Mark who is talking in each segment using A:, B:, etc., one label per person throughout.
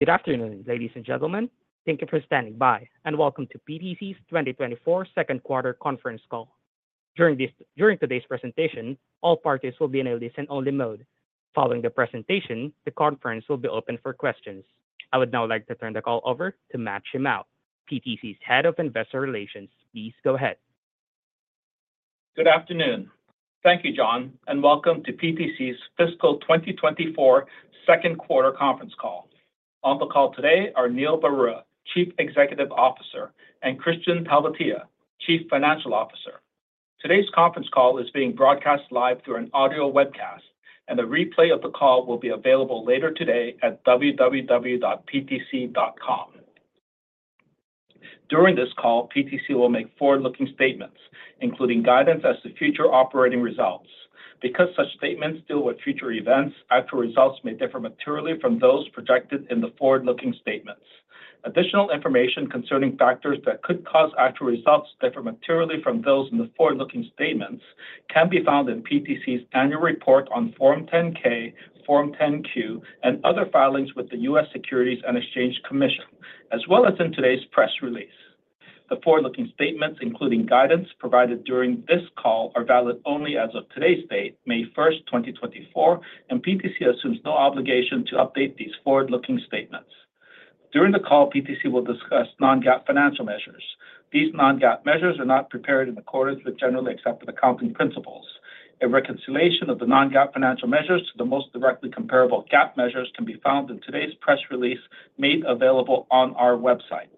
A: Good afternoon, ladies, and gentlemen. Thank you for standing by, and welcome to PTC's 2024 Second Quarter Conference Call. During today's presentation, all parties will be in a listen-only mode. Following the presentation, the conference will be open for questions. I would now like to turn the call over to Matt Shimao, PTC's Head of Investor Relations. Please go ahead.
B: Good afternoon. Thank you, John, and welcome to PTC's fiscal 2024 Second Quarter Conference Call. On the call today are Neil Barua, Chief Executive Officer, and Kristian Talvitie, Chief Financial Officer. Today's conference call is being broadcast live through an audio webcast, and a replay of the call will be available later today at www.ptc.com. During this call, PTC will make forward-looking statements, including guidance as to future operating results. Because such statements deal with future events, actual results may differ materially from those projected in the forward-looking statements. Additional information concerning factors that could cause actual results to differ materially from those in the forward-looking statements can be found in PTC's annual report on Form 10-K, Form 10-Q, and other filings with the U.S. Securities and Exchange Commission, as well as in today's press release. The forward-looking statements, including guidance provided during this call, are valid only as of today's date, May 1st, 2024, and PTC assumes no obligation to update these forward-looking statements. During the call, PTC will discuss non-GAAP financial measures. These non-GAAP measures are not prepared in accordance with generally accepted accounting principles. A reconciliation of the non-GAAP financial measures to the most directly comparable GAAP measures can be found in today's press release, made available on our website.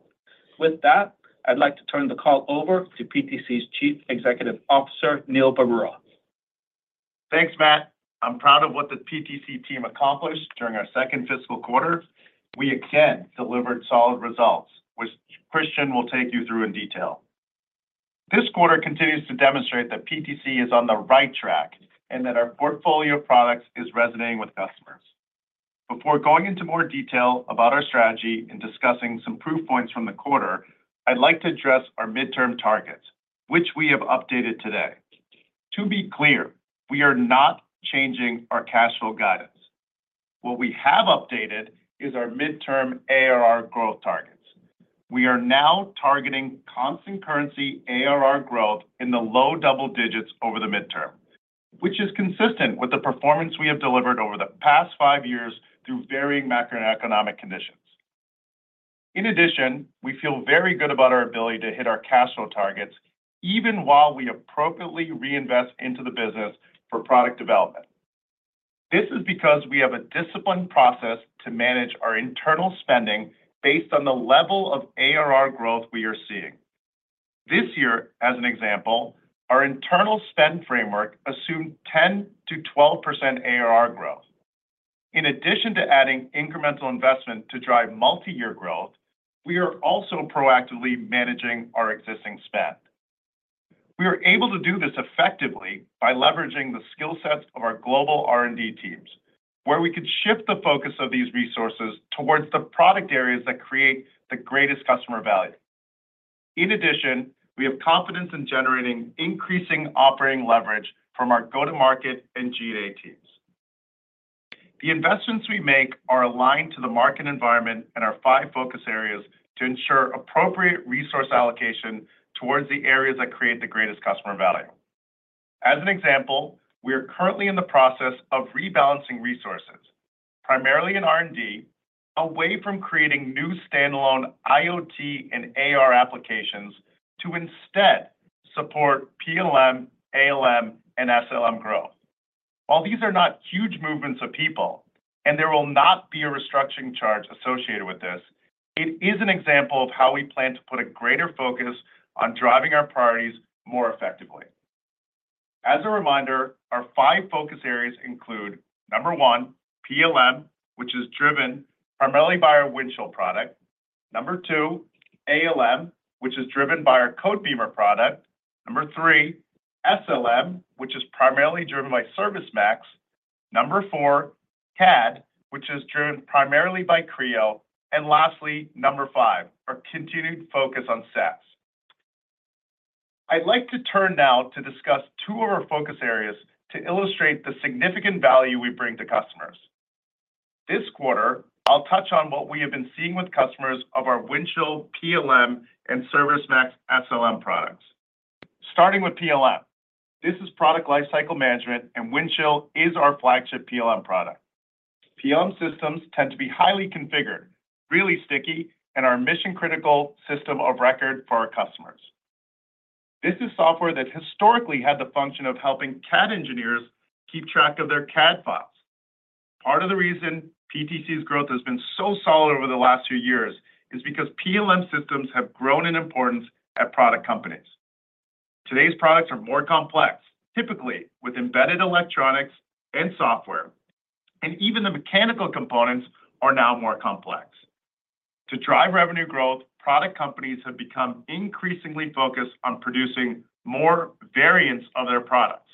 B: With that, I'd like to turn the call over to PTC's Chief Executive Officer, Neil Barua.
C: Thanks, Matt. I'm proud of what the PTC team accomplished during our second fiscal quarter. We again delivered solid results, which Kristian will take you through in detail. This quarter continues to demonstrate that PTC is on the right track and that our portfolio of products is resonating with customers. Before going into more detail about our strategy and discussing some proof points from the quarter, I'd like to address our midterm targets, which we have updated today. To be clear, we are not changing our cash flow guidance. What we have updated is our midterm ARR growth targets. We are now targeting constant currency ARR growth in the low double digits over the midterm, which is consistent with the performance we have delivered over the past five years through varying macroeconomic conditions. In addition, we feel very good about our ability to hit our cash flow targets, even while we appropriately reinvest into the business for product development. This is because we have a disciplined process to manage our internal spending based on the level of ARR growth we are seeing. This year, as an example, our internal spend framework assumed 10%-12% ARR growth. In addition to adding incremental investment to drive multi-year growth, we are also proactively managing our existing spend. We are able to do this effectively by leveraging the skill sets of our global R&D teams, where we could shift the focus of these resources towards the product areas that create the greatest customer value. In addition, we have confidence in generating increasing operating leverage from our go-to-market and G&A teams. The investments we make are aligned to the market environment and our five focus areas to ensure appropriate resource allocation towards the areas that create the greatest customer value. As an example, we are currently in the process of rebalancing resources, primarily in R&D, away from creating new standalone IoT and AR applications to instead support PLM, ALM, and SLM growth. While these are not huge movements of people, and there will not be a restructuring charge associated with this, it is an example of how we plan to put a greater focus on driving our priorities more effectively. As a reminder, our five focus areas include, number one, PLM, which is driven primarily by our Windchill product. Number two, ALM, which is driven by our Codebeamer product. Number three, SLM, which is primarily driven by ServiceMax. Number four, CAD, which is driven primarily by Creo. And lastly, number five, our continued focus on SaaS. I'd like to turn now to discuss two of our focus areas to illustrate the significant value we bring to customers. This quarter, I'll touch on what we have been seeing with customers of our Windchill PLM and ServiceMax SLM products. Starting with PLM. This is product lifecycle management, and Windchill is our flagship PLM product. PLM systems tend to be highly configured, really sticky, and are a mission-critical system of record for our customers. This is software that historically had the function of helping CAD engineers keep track of their CAD files. Part of the reason PTC's growth has been so solid over the last few years is because PLM systems have grown in importance at product companies. Today's products are more complex, typically with embedded electronics and software, and even the mechanical components are now more complex. To drive revenue growth, product companies have become increasingly focused on producing more variants of their products,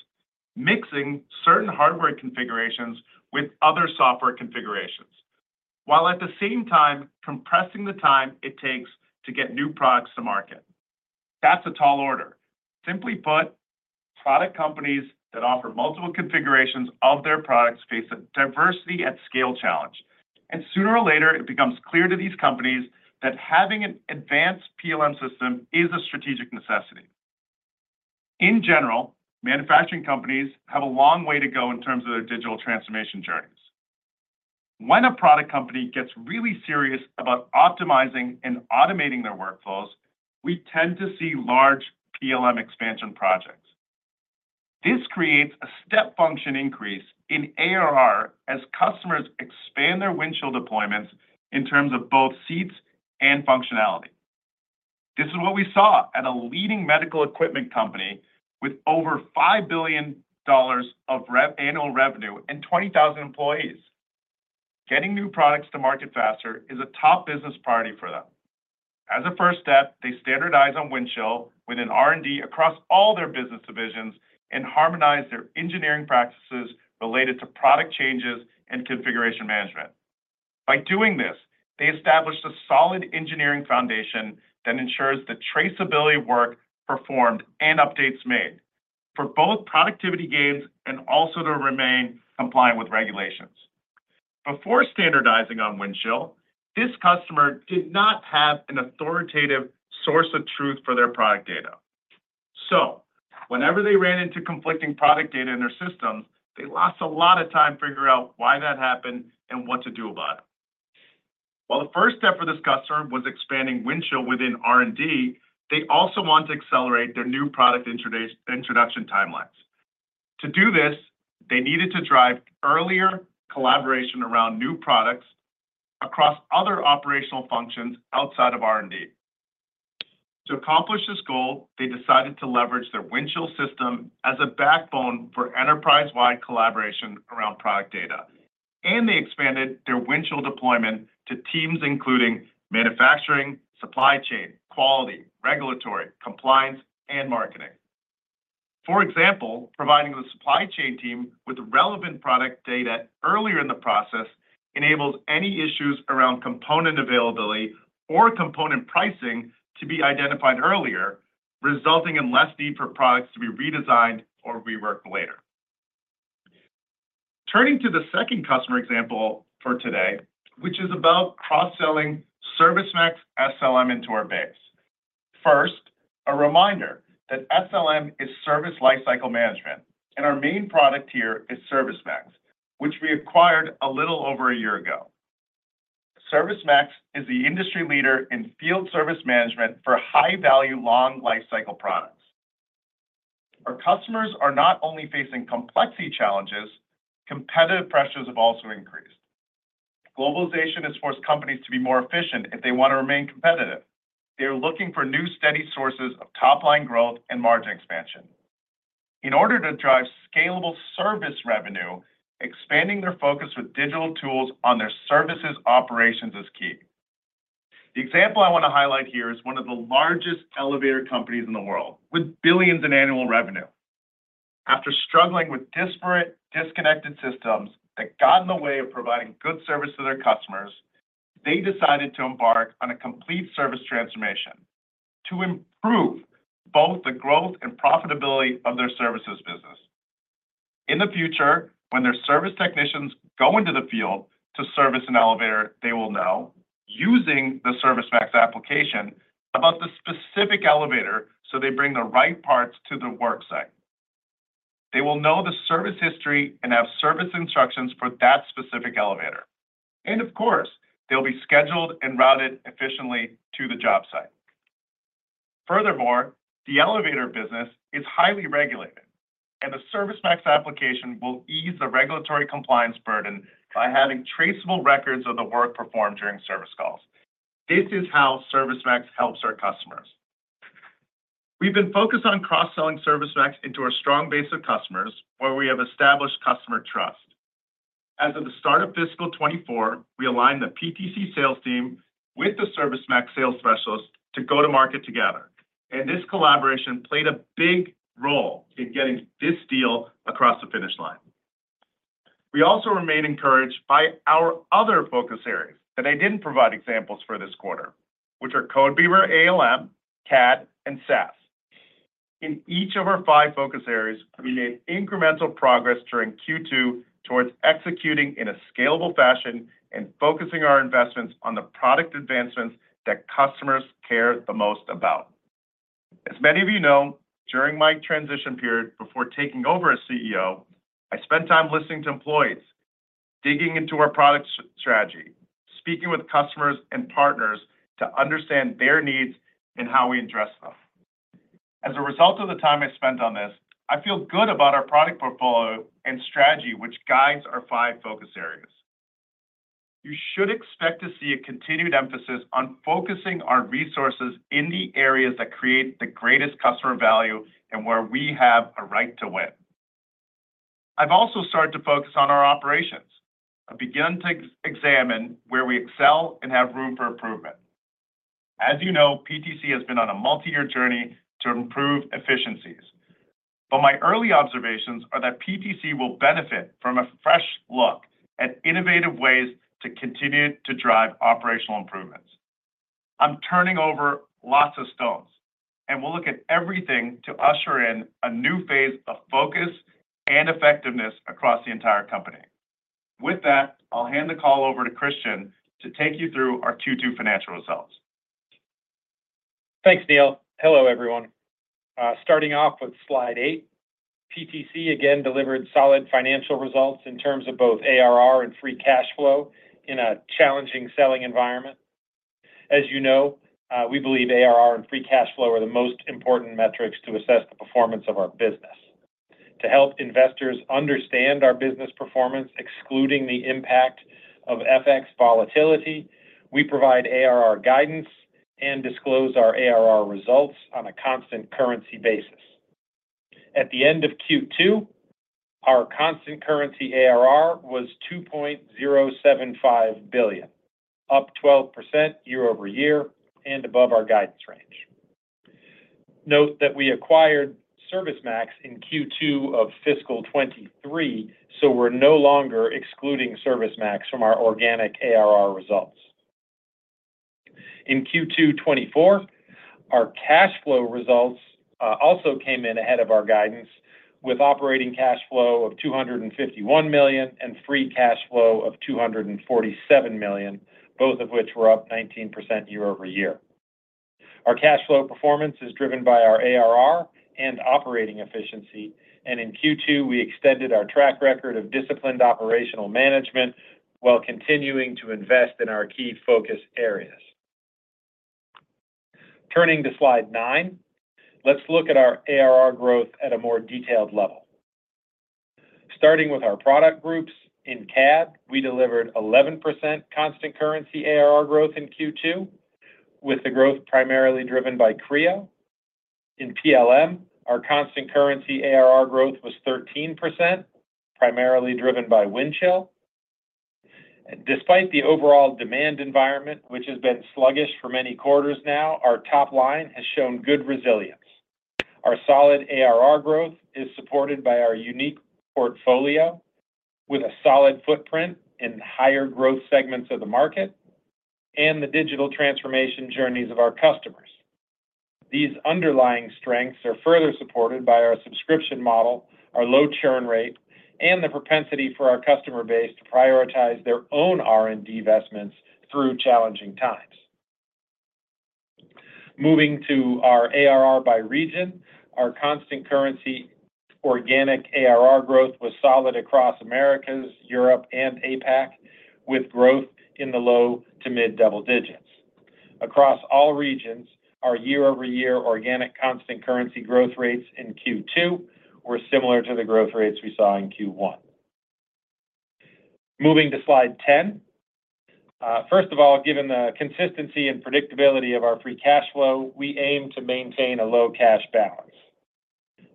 C: mixing certain hardware configurations with other software configurations, while at the same time compressing the time it takes to get new products to market. That's a tall order. Simply put, product companies that offer multiple configurations of their products face a diversity at scale challenge, and sooner or later, it becomes clear to these companies that having an advanced PLM system is a strategic necessity. In general, manufacturing companies have a long way to go in terms of their digital transformation journeys. When a product company gets really serious about optimizing and automating their workflows, we tend to see large PLM expansion projects. This creates a step function increase in ARR as customers expand their Windchill deployments in terms of both seats and functionality. This is what we saw at a leading medical equipment company with over $5 billion of rev, annual revenue and 20,000 employees. Getting new products to market faster is a top business priority for them. As a first step, they standardized on Windchill with an R&D across all their business divisions and harmonized their engineering practices related to product changes and configuration management. By doing this, they established a solid engineering foundation that ensures the traceability of work performed and updates made for both productivity gains and also to remain compliant with regulations. Before standardizing on Windchill, this customer did not have an authoritative source of truth for their product data. So whenever they ran into conflicting product data in their systems, they lost a lot of time figuring out why that happened and what to do about it. While the first step for this customer was expanding Windchill within R&D, they also want to accelerate their new product introduction timelines. To do this, they needed to drive earlier collaboration around new products across other operational functions outside of R&D. To accomplish this goal, they decided to leverage their Windchill system as a backbone for enterprise-wide collaboration around product data, and they expanded their Windchill deployment to teams including manufacturing, supply chain, quality, regulatory, compliance, and marketing. For example, providing the supply chain team with relevant product data earlier in the process enables any issues around component availability or component pricing to be identified earlier, resulting in less need for products to be redesigned or reworked later. Turning to the second customer example for today, which is about cross-selling ServiceMax SLM into our base. First, a reminder that SLM is Service Lifecycle Management, and our main product here is ServiceMax, which we acquired a little over a year ago. ServiceMax is the industry leader in field service management for high-value, long-lifecycle products. Our customers are not only facing complexity challenges. Competitive pressures have also increased. Globalization has forced companies to be more efficient if they want to remain competitive. They are looking for new, steady sources of top-line growth and margin expansion. In order to drive scalable service revenue, expanding their focus with digital tools on their services operations is key. The example I want to highlight here is one of the largest elevator companies in the world, with billions in annual revenue. After struggling with disparate, disconnected systems that got in the way of providing good service to their customers, they decided to embark on a complete service transformation to improve both the growth and profitability of their services business. In the future, when their service technicians go into the field to service an elevator, they will know, using the ServiceMax application, about the specific elevator, so they bring the right parts to the work site. They will know the service history and have service instructions for that specific elevator, and of course, they'll be scheduled and routed efficiently to the job site. Furthermore, the elevator business is highly regulated, and the ServiceMax application will ease the regulatory compliance burden by having traceable records of the work performed during service calls. This is how ServiceMax helps our customers. We've been focused on cross-selling ServiceMax into our strong base of customers, where we have established customer trust. As of the start of fiscal 2024, we aligned the PTC sales team with the ServiceMax sales specialists to go to market together, and this collaboration played a big role in getting this deal across the finish line. We also remain encouraged by our other focus areas that I didn't provide examples for this quarter, which are Codebeamer ALM, CAD, and SaaS. In each of our five focus areas, we made incremental progress during Q2 towards executing in a scalable fashion and focusing our investments on the product advancements that customers care the most about. As many of you know, during my transition period before taking over as CEO, I spent time listening to employees, digging into our product strategy, speaking with customers and partners to understand their needs and how we address them. As a result of the time I spent on this, I feel good about our product portfolio and strategy, which guides our five focus areas. You should expect to see a continued emphasis on focusing our resources in the areas that create the greatest customer value and where we have a right to win. I've also started to focus on our operations. I've begun to examine where we excel and have room for improvement. As you know, PTC has been on a multi-year journey to improve efficiencies.... But my early observations are that PTC will benefit from a fresh look at innovative ways to continue to drive operational improvements. I'm turning over lots of stones, and we'll look at everything to usher in a new phase of focus and effectiveness across the entire company. With that, I'll hand the call over to Kristian to take you through our Q2 financial results.
D: Thanks, Neil. Hello, everyone. Starting off with slide eight, PTC again delivered solid financial results in terms of both ARR and free cash flow in a challenging selling environment. As you know, we believe ARR and free cash flow are the most important metrics to assess the performance of our business. To help investors understand our business performance, excluding the impact of FX volatility, we provide ARR guidance and disclose our ARR results on a constant currency basis. At the end of Q2, our constant currency ARR was $2.075 billion, up 12% year-over-year and above our guidance range. Note that we acquired ServiceMax in Q2 of fiscal 2023, so we're no longer excluding ServiceMax from our organic ARR results. In Q2 2024, our cash flow results also came in ahead of our guidance, with operating cash flow of $251 million and free cash flow of $247 million, both of which were up 19% year-over-year. Our cash flow performance is driven by our ARR and operating efficiency, and in Q2, we extended our track record of disciplined operational management while continuing to invest in our key focus areas. Turning to slide nine, let's look at our ARR growth at a more detailed level. Starting with our product groups, in CAD, we delivered 11% constant currency ARR growth in Q2, with the growth primarily driven by Creo. In PLM, our constant currency ARR growth was 13%, primarily driven by Windchill. Despite the overall demand environment, which has been sluggish for many quarters now, our top line has shown good resilience. Our solid ARR growth is supported by our unique portfolio, with a solid footprint in higher growth segments of the market and the digital transformation journeys of our customers. These underlying strengths are further supported by our subscription model, our low churn rate, and the propensity for our customer base to prioritize their own R&D investments through challenging times. Moving to our ARR by region, our constant currency organic ARR growth was solid across Americas, Europe, and APAC, with growth in the low to mid double digits. Across all regions, our year-over-year organic constant currency growth rates in Q2 were similar to the growth rates we saw in Q1. Moving to slide 10. First of all, given the consistency and predictability of our free cash flow, we aim to maintain a low cash balance.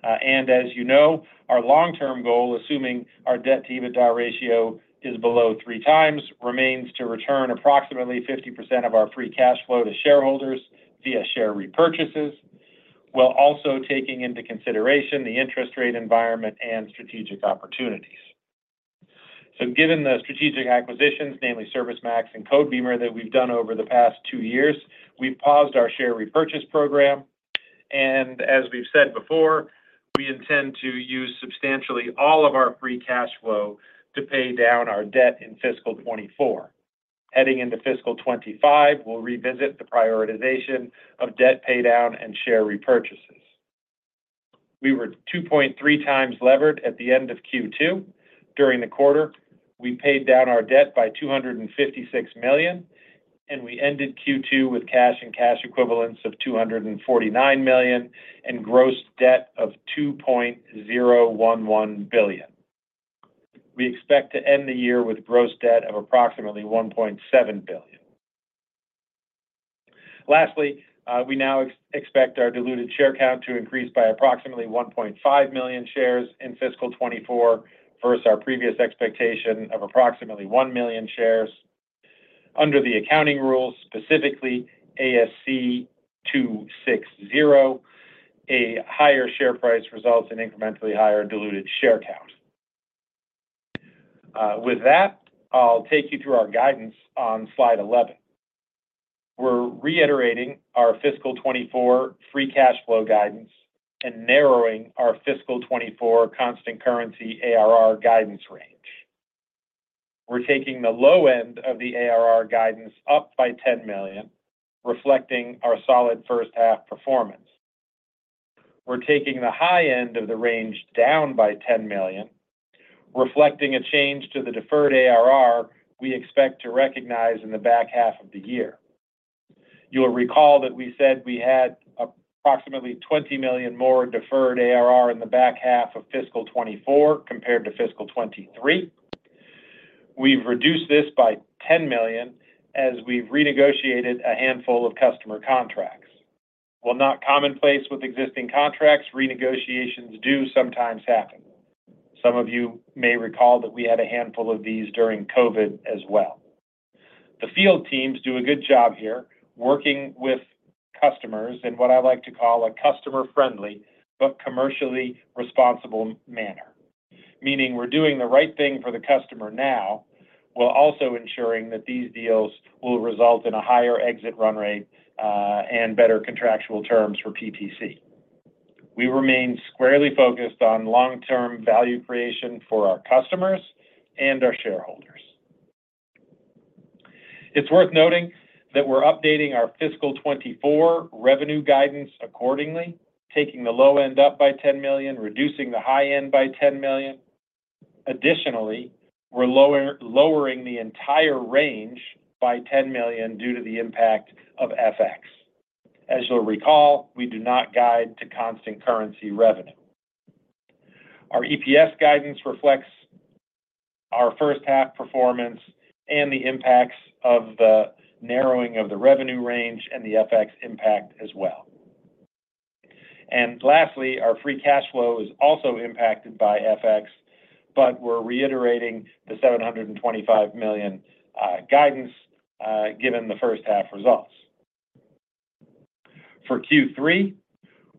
D: And as you know, our long-term goal, assuming our debt-to-EBITDA ratio is below 3x, remains to return approximately 50% of our free cash flow to shareholders via share repurchases, while also taking into consideration the interest rate environment and strategic opportunities. So given the strategic acquisitions, namely ServiceMax and Codebeamer, that we've done over the past two years, we've paused our share repurchase program, and as we've said before, we intend to use substantially all of our free cash flow to pay down our debt in fiscal 2024. Heading into fiscal 2025, we'll revisit the prioritization of debt paydown and share repurchases. We were 2.3x levered at the end of Q2. During the quarter, we paid down our debt by $256 million, and we ended Q2 with cash and cash equivalents of $249 million and gross debt of $2.011 billion. We expect to end the year with gross debt of approximately $1.7 billion. Lastly, we now expect our diluted share count to increase by approximately 1.5 million shares in fiscal 2024, versus our previous expectation of approximately 1 million shares. Under the accounting rules, specifically ASC 260, a higher share price results in incrementally higher diluted share count. With that, I'll take you through our guidance on slide 11. We're reiterating our fiscal 2024 free cash flow guidance and narrowing our fiscal 2024 constant currency ARR guidance range. We're taking the low end of the ARR guidance up by $10 million, reflecting our solid first half performance. We're taking the high end of the range down by $10 million, reflecting a change to the deferred ARR we expect to recognize in the back half of the year. You will recall that we said we had approximately $20 million more deferred ARR in the back half of fiscal 2024 compared to fiscal 2023. We've reduced this by $10 million as we've renegotiated a handful of customer contracts. While not commonplace with existing contracts, renegotiations do sometimes happen. Some of you may recall that we had a handful of these during COVID as well.... The field teams do a good job here, working with customers in what I like to call a customer-friendly but commercially responsible manner. Meaning we're doing the right thing for the customer now, while also ensuring that these deals will result in a higher exit run rate, and better contractual terms for PTC. We remain squarely focused on long-term value creation for our customers and our shareholders. It's worth noting that we're updating our fiscal 2024 revenue guidance accordingly, taking the low end up by $10 million, reducing the high end by $10 million. Additionally, we're lowering the entire range by $10 million due to the impact of FX. As you'll recall, we do not guide to constant currency revenue. Our EPS guidance reflects our first half performance and the impacts of the narrowing of the revenue range and the FX impact as well. And lastly, our free cash flow is also impacted by FX, but we're reiterating the $725 million guidance, given the first half results. For Q3,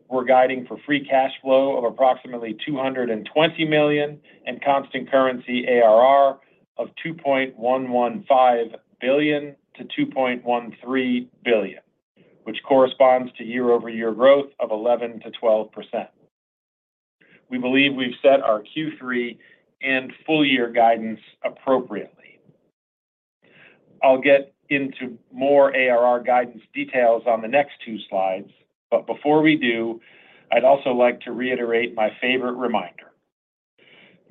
D: we're guiding for free cash flow of approximately $220 million, and constant currency ARR of $2.115 billion-$2.13 billion, which corresponds to year-over-year growth of 11%-12%. We believe we've set our Q3 and full year guidance appropriately. I'll get into more ARR guidance details on the next two slides, but before we do, I'd also like to reiterate my favorite reminder.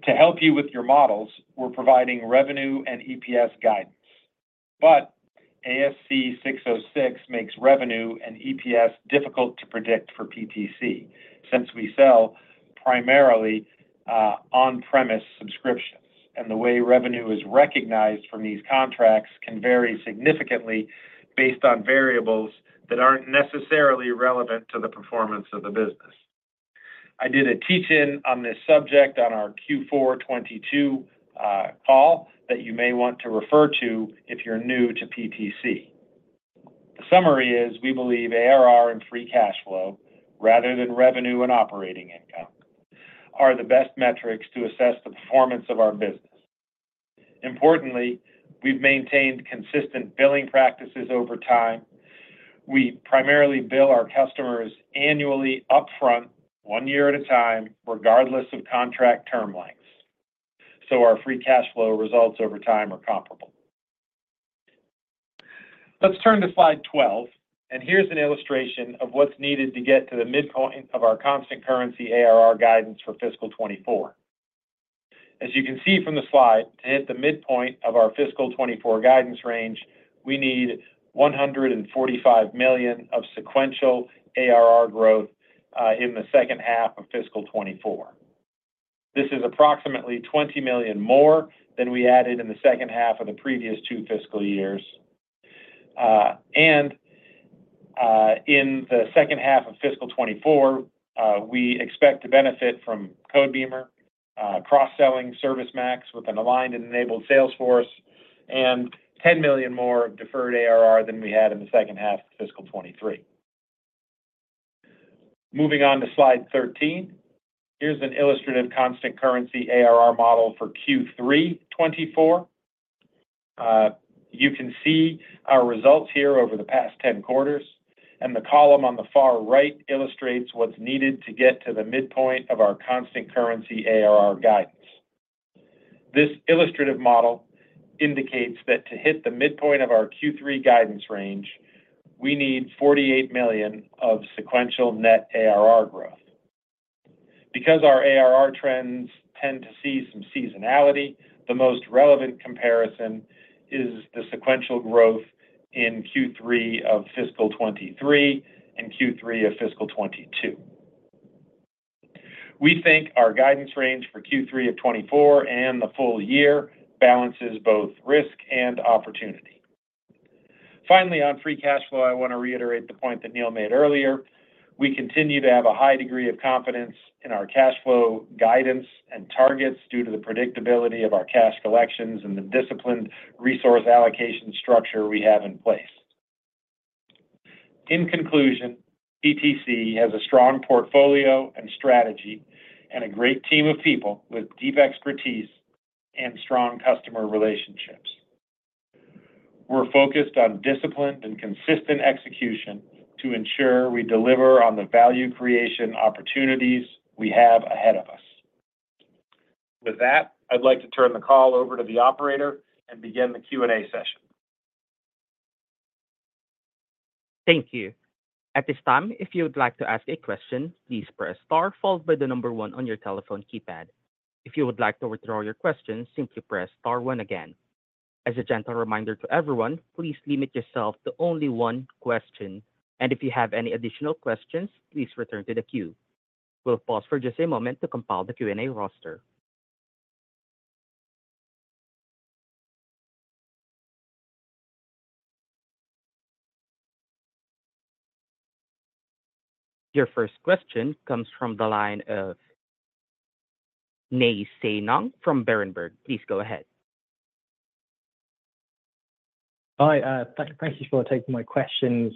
D: To help you with your models, we're providing revenue and EPS guidance, but ASC 606 makes revenue and EPS difficult to predict for PTC, since we sell primarily on-premise subscriptions, and the way revenue is recognized from these contracts can vary significantly based on variables that aren't necessarily relevant to the performance of the business. I did a teach-in on this subject on our Q4 2022 call, that you may want to refer to if you're new to PTC. The summary is, we believe ARR and free cash flow, rather than revenue and operating income, are the best metrics to assess the performance of our business. Importantly, we've maintained consistent billing practices over time. We primarily bill our customers annually upfront, one year at a time, regardless of contract term lengths, so our free cash flow results over time are comparable. Let's turn to slide 12, and here's an illustration of what's needed to get to the midpoint of our constant currency ARR guidance for fiscal 2024. As you can see from the slide, to hit the midpoint of our fiscal 2024 guidance range, we need $145 million of sequential ARR growth in the second half of fiscal 2024. This is approximately $20 million more than we added in the second half of the previous two fiscal years. And in the second half of fiscal 2024, we expect to benefit from Codebeamer cross-selling ServiceMax with an aligned and enabled sales force, and $10 million more deferred ARR than we had in the second half of fiscal 2023. Moving on to slide 13, here's an illustrative constant currency ARR model for Q3 2024. You can see our results here over the past 10 quarters, and the column on the far right illustrates what's needed to get to the midpoint of our constant currency ARR guidance. This illustrative model indicates that to hit the midpoint of our Q3 guidance range, we need $48 million of sequential net ARR growth. Because our ARR trends tend to see some seasonality, the most relevant comparison is the sequential growth in Q3 of fiscal 2023 and Q3 of fiscal 2022. We think our guidance range for Q3 of 2024 and the full year balances both risk and opportunity. Finally, on free cash flow, I want to reiterate the point that Neil made earlier. We continue to have a high degree of confidence in our cash flow guidance and targets due to the predictability of our cash collections and the disciplined resource allocation structure we have in place. In conclusion, PTC has a strong portfolio and strategy, and a great team of people with deep expertise and strong customer relationships. We're focused on disciplined and consistent execution to ensure we deliver on the value creation opportunities we have ahead of us. With that, I'd like to turn the call over to the operator and begin the Q&A session.
A: Thank you. At this time, if you would like to ask a question, please press star followed by the number one on your telephone keypad. If you would like to withdraw your question, simply press star one again. As a gentle reminder to everyone, please limit yourself to only one question, and if you have any additional questions, please return to the queue. We'll pause for just a moment to compile the Q&A roster.... Your first question comes from the line of Nay Soe Naing from Berenberg. Please go ahead.
E: Hi, thank you for taking my questions.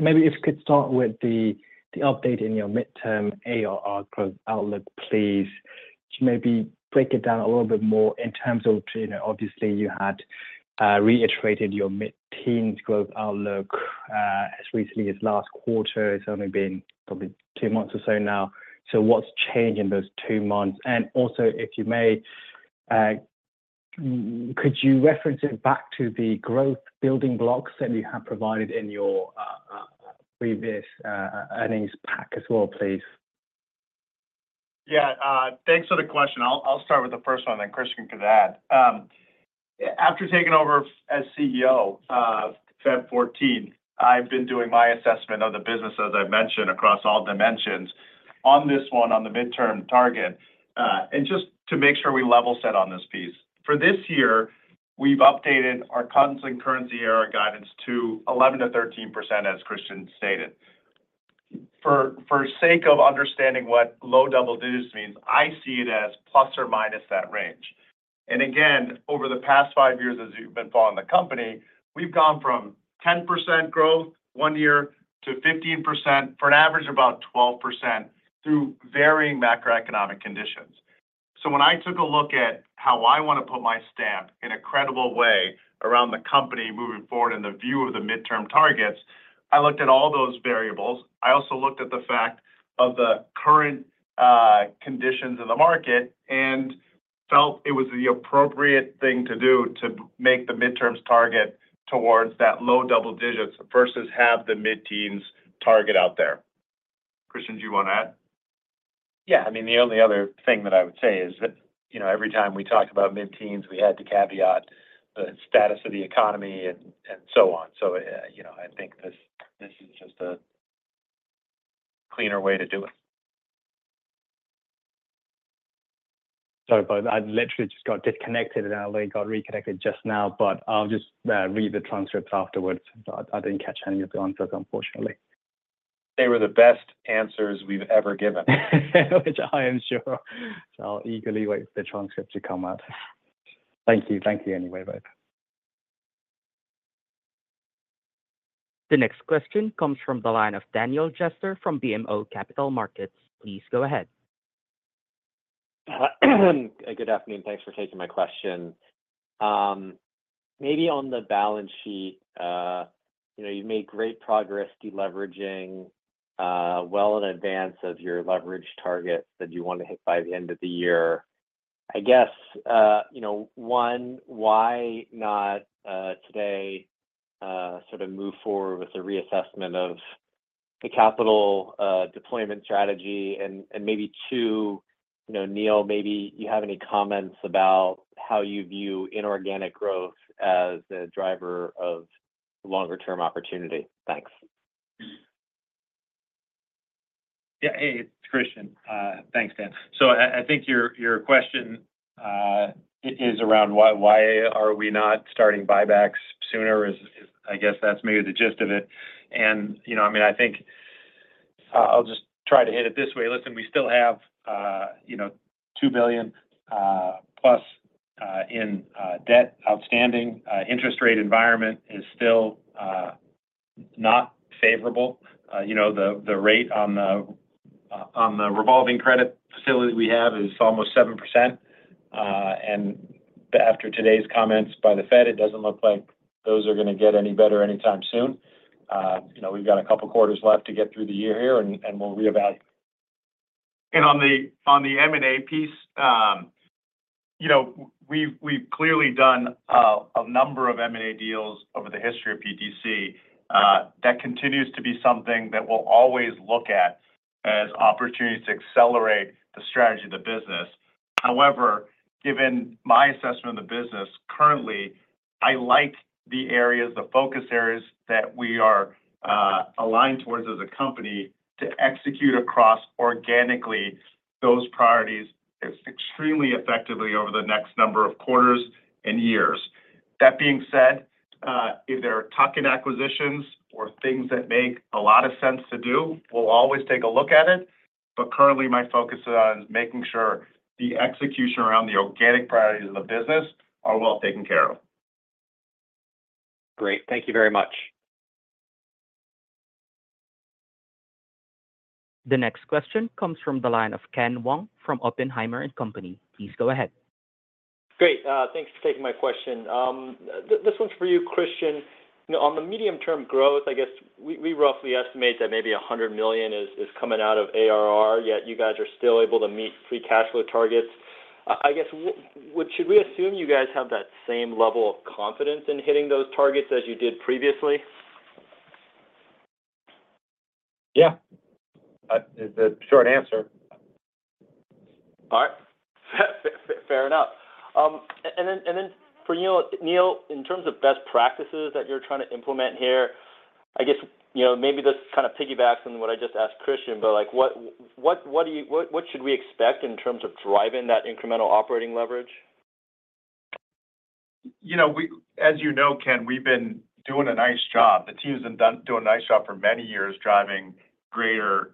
E: Maybe if you could start with the update in your midterm ARR growth outlook, please. Could you maybe break it down a little bit more in terms of, you know, obviously, you had reiterated your mid-teens growth outlook as recently as last quarter. It's only been probably two months or so now. So what's changed in those two months? And also, if you may, could you reference it back to the growth building blocks that you have provided in your previous earnings pack as well, please?
C: Yeah. Thanks for the question. I'll start with the first one, then Kristian can add. After taking over as CEO, Feb 14, I've been doing my assessment of the business, as I've mentioned, across all dimensions. On this one, on the midterm target, and just to make sure we level set on this piece. For this year, we've updated our constant currency ARR guidance to 11%-13%, as Kristian stated. For sake of understanding what low double digits means, I see it as ± that range. And again, over the past five years as you've been following the company, we've gone from 10% growth one year to 15% for an average of about 12% through varying macroeconomic conditions. So when I took a look at how I want to put my stamp in a credible way around the company moving forward in the view of the mid-term targets, I looked at all those variables. I also looked at the fact of the current conditions in the market and felt it was the appropriate thing to do to make the mid-term targets towards that low double digits versus have the mid-teens target out there. Kristian, do you want to add?
D: Yeah. I mean, the only other thing that I would say is that, you know, every time we talk about mid-teens, we had to caveat the status of the economy and so on. So, you know, I think this is just a cleaner way to do it.
E: Sorry, but I literally just got disconnected and I only got reconnected just now, but I'll just read the transcripts afterwards. So I didn't catch any of the answers, unfortunately.
D: They were the best answers we've ever given.
E: Which I am sure. So I'll eagerly wait for the transcript to come out. Thank you. Thank you anyway, bye.
A: The next question comes from the line of Daniel Jester from BMO Capital Markets. Please go ahead.
F: Good afternoon, thanks for taking my question. Maybe on the balance sheet, you know, you've made great progress deleveraging, well in advance of your leverage targets that you want to hit by the end of the year. I guess, you know, one, why not today sort of move forward with a reassessment of the capital deployment strategy? And maybe two, you know, Neil, maybe you have any comments about how you view inorganic growth as the driver of longer term opportunity? Thanks.
D: Yeah. Hey, it's Kristian. Thanks, Dan. So I, I think your, your question is around why, why are we not starting buybacks sooner? I guess that's maybe the gist of it. And, you know, I mean, I think, I'll just try to hit it this way. Listen, we still have, you know, $2 billion+ in debt. Outstanding, interest rate environment is still, not favorable. You know, the, the rate on the, on the revolving credit facility we have is almost 7%. And after today's comments by the Fed, it doesn't look like those are going to get any better anytime soon. You know, we've got a couple quarters left to get through the year here, and, and we'll reevaluate.
C: On the M&A piece, you know, we've clearly done a number of M&A deals over the history of PTC. That continues to be something that we'll always look at as opportunities to accelerate the strategy of the business. However, given my assessment of the business, currently, I like the areas, the focus areas that we are aligned towards as a company to execute across organically those priorities extremely effectively over the next number of quarters and years. That being said, if there are tuck-in acquisitions or things that make a lot of sense to do, we'll always take a look at it, but currently my focus is on making sure the execution around the organic priorities of the business are well taken care of.
F: Great. Thank you very much.
A: The next question comes from the line of Ken Wong from Oppenheimer and Company. Please go ahead.
G: Great. Thanks for taking my question. This one's for you, Kristian. You know, on the medium-term growth, I guess we roughly estimate that maybe $100 million is coming out of ARR, yet you guys are still able to meet free cash flow targets. I guess, what should we assume you guys have that same level of confidence in hitting those targets as you did previously?
D: Yeah, is the short answer.
G: All right. Fair enough. And then, and then for you, Neil, in terms of best practices that you're trying to implement here, I guess, you know, maybe this kind of piggybacks on what I just asked Kristian, but, like, what, what, what do you... What, what should we expect in terms of driving that incremental operating leverage?...
C: You know, we, as you know, Ken, we've been doing a nice job. The team's been doing a nice job for many years, driving greater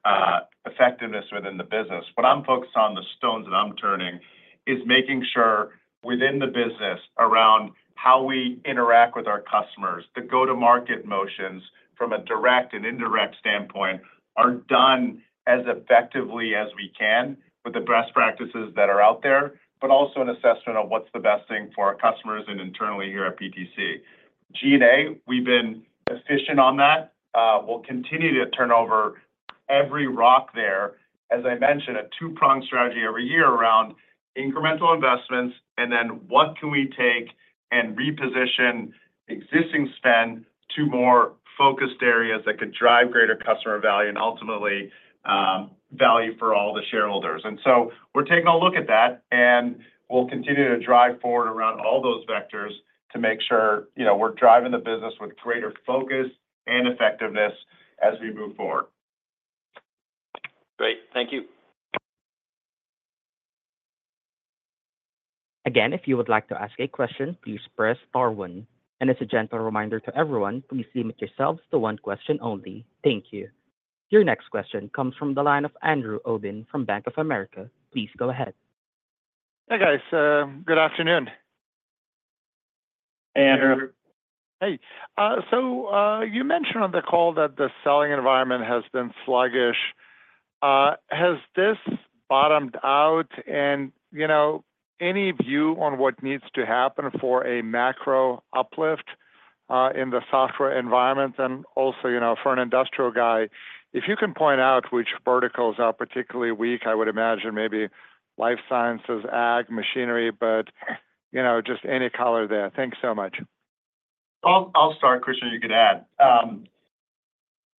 C: effectiveness within the business. What I'm focused on, the stones that I'm turning, is making sure within the business around how we interact with our customers, the go-to-market motions from a direct and indirect standpoint, are done as effectively as we can with the best practices that are out there, but also an assessment of what's the best thing for our customers and internally here at PTC. G&A, we've been efficient on that. We'll continue to turn over every rock there. As I mentioned, a two-pronged strategy every year around incremental investments, and then what can we take and reposition existing spend to more focused areas that could drive greater customer value and ultimately, value for all the shareholders? And so we're taking a look at that, and we'll continue to drive forward around all those vectors to make sure, you know, we're driving the business with greater focus and effectiveness as we move forward.
G: Great, thank you.
A: Again, if you would like to ask a question, please press star one. And as a gentle reminder to everyone, please limit yourselves to one question only. Thank you. Your next question comes from the line of Andrew Obin from Bank of America. Please go ahead.
H: Hi, guys. Good afternoon.
C: Hey, Andrew.
H: Hey. So, you mentioned on the call that the selling environment has been sluggish. Has this bottomed out? And, you know, any view on what needs to happen for a macro uplift in the software environment? And also, you know, for an industrial guy, if you can point out which verticals are particularly weak, I would imagine maybe life sciences, ag, machinery, but, you know, just any color there. Thanks so much.
C: I'll start, Kristian, you can add.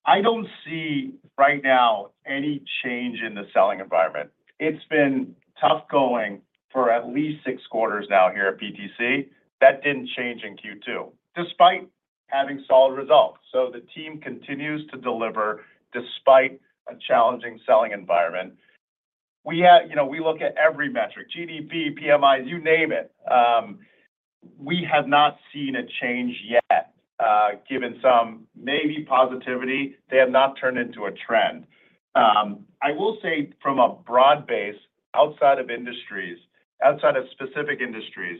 C: I don't see right now any change in the selling environment. It's been tough going for at least six quarters now here at PTC. That didn't change in Q2, despite having solid results. So the team continues to deliver despite a challenging selling environment. We have... You know, we look at every metric, GDP, PMIs, you name it. We have not seen a change yet. Given some maybe positivity, they have not turned into a trend. I will say from a broad base, outside of industries, outside of specific industries,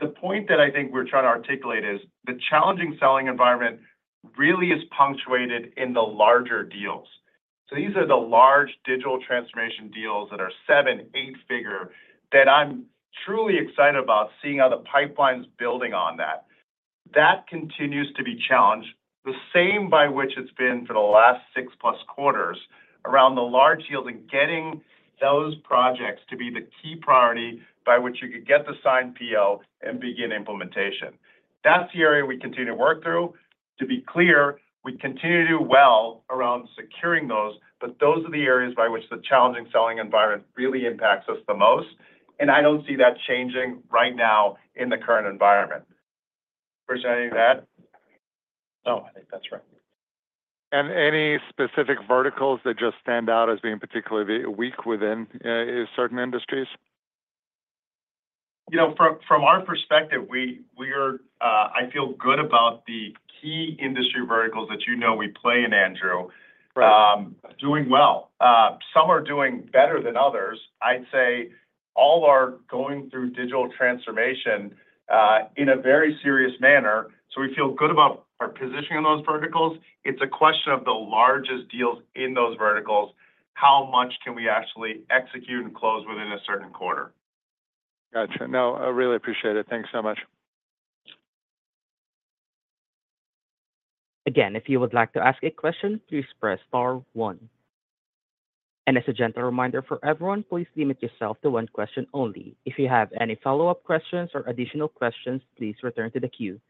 C: the point that I think we're trying to articulate is the challenging selling environment really is punctuated in the larger deals. So these are the large digital transformation deals that are seven-, eight-figure, that I'm truly excited about seeing how the pipeline's building on that. That continues to be challenged, the same by which it's been for the last 6+ quarters, around the large deals and getting those projects to be the key priority by which you could get the signed PO and begin implementation. That's the area we continue to work through. To be clear, we continue to do well around securing those, but those are the areas by which the challenging selling environment really impacts us the most, and I don't see that changing right now in the current environment. Kristian, anything to add?
D: No, I think that's right.
H: Any specific verticals that just stand out as being particularly weak within certain industries?
C: You know, from our perspective, we're, I feel good about the key industry verticals that you know we play in, Andrew-
H: Right...
C: doing well. Some are doing better than others. I'd say all are going through digital transformation in a very serious manner, so we feel good about our position in those verticals. It's a question of the largest deals in those verticals, how much can we actually execute and close within a certain quarter?
H: Gotcha. No, I really appreciate it. Thank you so much.
A: Again, if you would like to ask a question, please press star one. As a gentle reminder for everyone, please limit yourself to one question only. If you have any follow-up questions or additional questions, please return to the queue.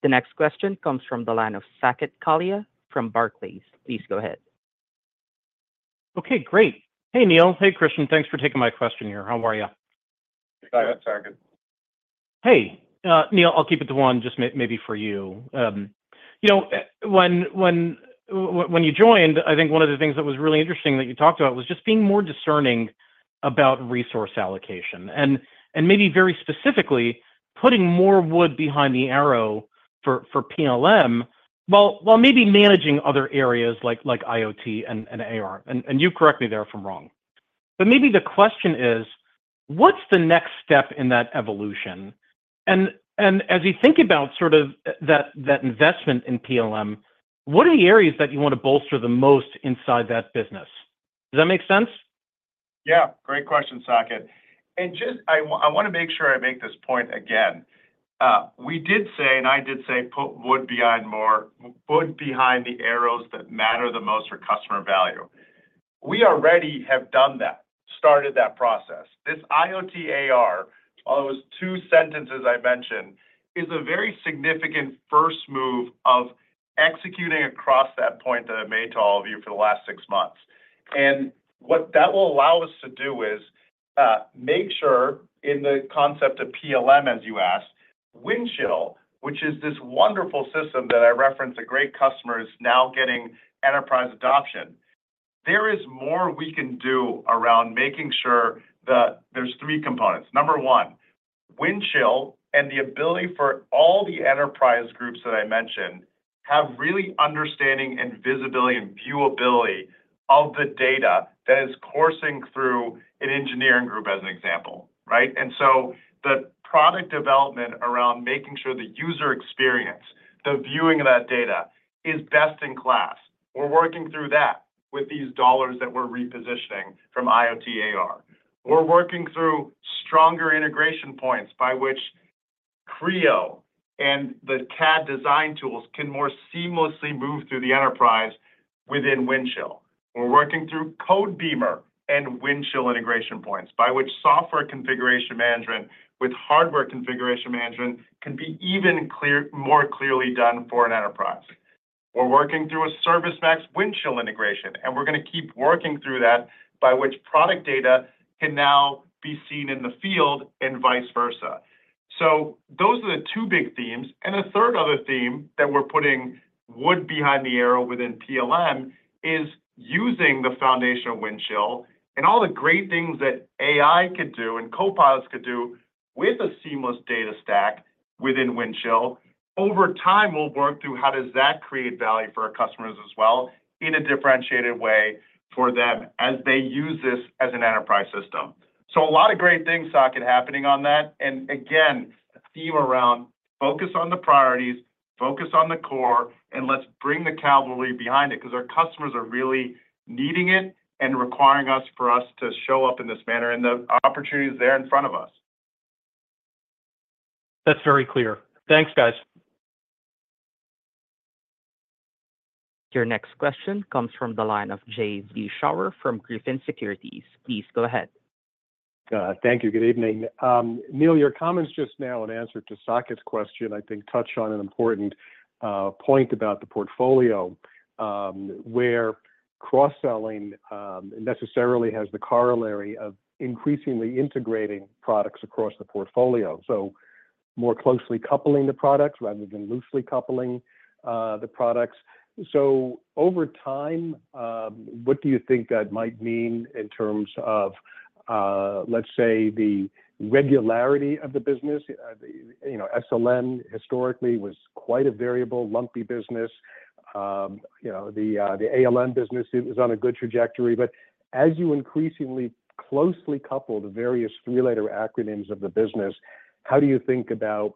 A: Thank you. The next question comes from the line of Saket Kalia from Barclays. Please go ahead.
I: Okay, great. Hey, Neil. Hey, Kristian. Thanks for taking my question here. How are you?
C: Hi, Saket.
I: Hey, Neil, I'll keep it to one, just maybe for you. You know, when you joined, I think one of the things that was really interesting that you talked about was just being more discerning about resource allocation, and maybe very specifically, putting more wood behind the arrow for PLM, while maybe managing other areas like IoT and AR, and you correct me there if I'm wrong. But maybe the question is, what's the next step in that evolution? And as you think about sort of that investment in PLM, what are the areas that you want to bolster the most inside that business? Does that make sense?
C: Yeah, great question, Saket. And just... I want to make sure I make this point again. We did say, and I did say, put more wood behind the arrows that matter the most for customer value. We already have done that, started that process. This IoT, AR, although it was two sentences I mentioned, is a very significant first move of executing across that point that I made to all of you for the last six months. And what that will allow us to do is, make sure in the concept of PLM, as you asked-... Windchill, which is this wonderful system that I referenced, a great customer, is now getting enterprise adoption. There is more we can do around making sure that there's three components. Number one, Windchill and the ability for all the enterprise groups that I mentioned, have really understanding and visibility and viewability of the data that is coursing through an engineering group as an example, right? And so the product development around making sure the user experience, the viewing of that data, is best in class. We're working through that with these dollars that we're repositioning from IoT AR. We're working through stronger integration points by which Creo and the CAD design tools can more seamlessly move through the enterprise within Windchill. We're working through Codebeamer and Windchill integration points, by which software configuration management with hardware configuration management can be even more clearly done for an enterprise. We're working through a ServiceMax Windchill integration, and we're going to keep working through that, by which product data can now be seen in the field and vice versa. So those are the two big themes. And a third other theme that we're putting wood behind the arrow within PLM, is using the foundation of Windchill and all the great things that AI could do and copilots could do with a seamless data stack within Windchill. Over time, we'll work through how does that create value for our customers as well, in a differentiated way for them as they use this as an enterprise system. So a lot of great things, Saket, happening on that. And again, a theme around focus on the priorities, focus on the core, and let's bring the cavalry behind it, 'cause our customers are really needing it and requiring us for us to show up in this manner, and the opportunity is there in front of us.
I: That's very clear. Thanks, guys.
A: Your next question comes from the line of Jay Vleeschhouwer from Griffin Securities. Please go ahead.
J: Thank you. Good evening. Neil, your comments just now in answer to Saket's question, I think touched on an important point about the portfolio, where cross-selling necessarily has the corollary of increasingly integrating products across the portfolio. So more closely coupling the products rather than loosely coupling the products. So over time, what do you think that might mean in terms of, let's say, the regularity of the business? You know, SLM historically was quite a variable, lumpy business. You know, the ALM business is on a good trajectory, but as you increasingly closely couple the various three-letter acronyms of the business, how do you think about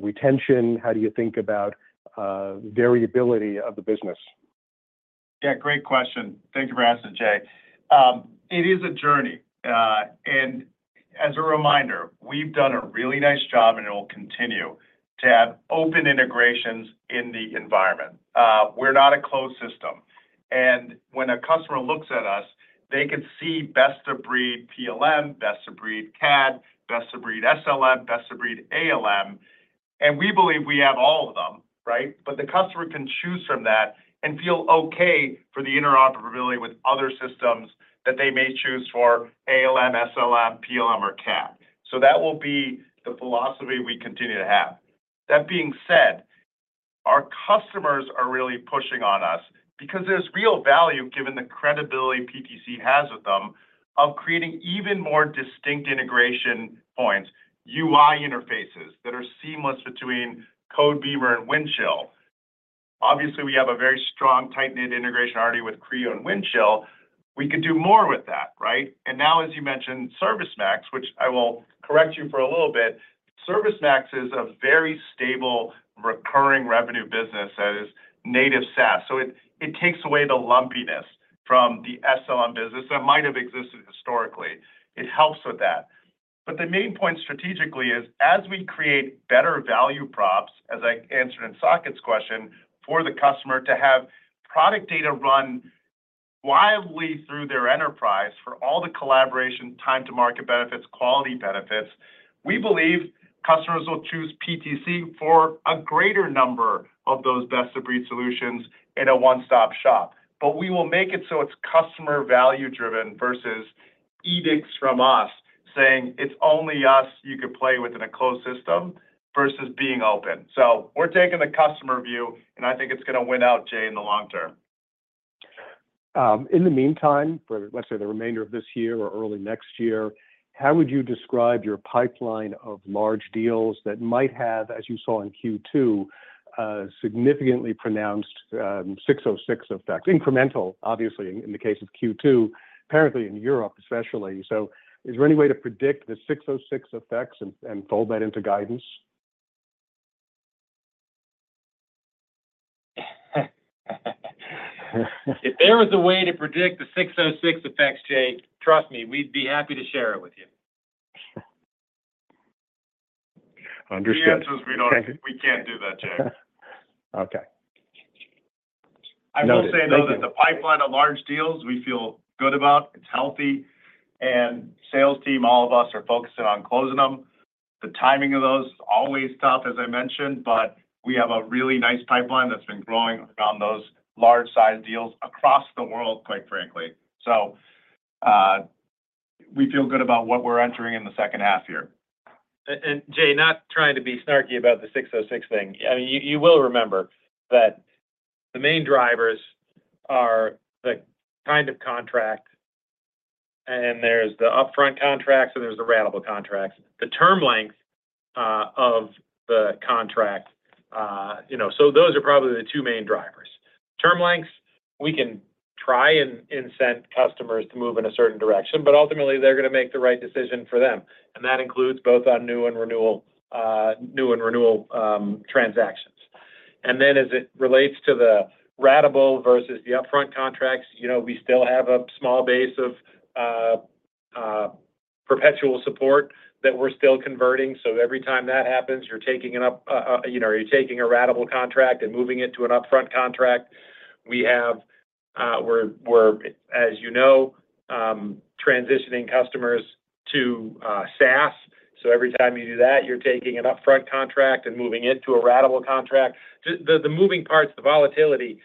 J: retention? How do you think about variability of the business?
C: Yeah, great question. Thank you for asking, Jay. It is a journey. And as a reminder, we've done a really nice job, and it will continue to have open integrations in the environment. We're not a closed system, and when a customer looks at us, they can see best-of-breed PLM, best-of-breed CAD, best-of-breed SLM, best-of-breed ALM, and we believe we have all of them, right? But the customer can choose from that and feel okay for the interoperability with other systems that they may choose for ALM, SLM, PLM, or CAD. So that will be the philosophy we continue to have. That being said, our customers are really pushing on us because there's real value, given the credibility PTC has with them, of creating even more distinct integration points, UI interfaces that are seamless between Codebeamer and Windchill. Obviously, we have a very strong, tight-knit integration already with Creo and Windchill. We could do more with that, right? And now, as you mentioned, ServiceMax, which I will correct you for a little bit. ServiceMax is a very stable recurring revenue business that is native SaaS, so it, it takes away the lumpiness from the SLM business that might have existed historically. It helps with that. But the main point strategically is as we create better value props, as I answered in Saket's question, for the customer to have product data run wildly through their enterprise for all the collaboration, time to market benefits, quality benefits, we believe customers will choose PTC for a greater number of those best-of-breed solutions in a one-stop shop. But we will make it so it's customer value driven, versus edicts from us, saying, "It's only us you could play with in a closed system," versus being open. So we're taking the customer view, and I think it's going to win out, Jay, in the long term.
J: In the meantime, for, let's say, the remainder of this year or early next year, how would you describe your pipeline of large deals that might have, as you saw in Q2, a significantly pronounced, 606 effect? Incremental, obviously, in the case of Q2, apparently in Europe especially. So is there any way to predict the 606 effects and fold that into guidance?
C: If there was a way to predict the 606 effects, Jay, trust me, we'd be happy to share it with you.
J: Understood.
C: The answer is we don't, we can't do that, Jay.
J: Okay.
C: I will say, though-
J: Thank you...
C: that the pipeline of large deals, we feel good about. It's healthy, and sales team, all of us, are focusing on closing them. The timing of those, always tough, as I mentioned, but we have a really nice pipeline that's been growing around those large-sized deals across the world, quite frankly. So,... We feel good about what we're entering in the second half year. And, Jay, not trying to be snarky about the 606 thing. I mean, you will remember that the main drivers are the kind of contract, and there's the upfront contract, so there's the ratable contracts, the term length of the contract, you know, so those are probably the two main drivers. Term lengths, we can try and incent customers to move in a certain direction, but ultimately they're gonna make the right decision for them, and that includes both on new and renewal, new and renewal transactions. And then as it relates to the ratable versus the upfront contracts, you know, we still have a small base of perpetual support that we're still converting. So every time that happens, you're taking it up, you know, you're taking a ratable contract and moving it to an upfront contract. We're, as you know, transitioning customers to SaaS, so every time you do that, you're taking an upfront contract and moving it to a ratable contract. The moving parts, the volatility,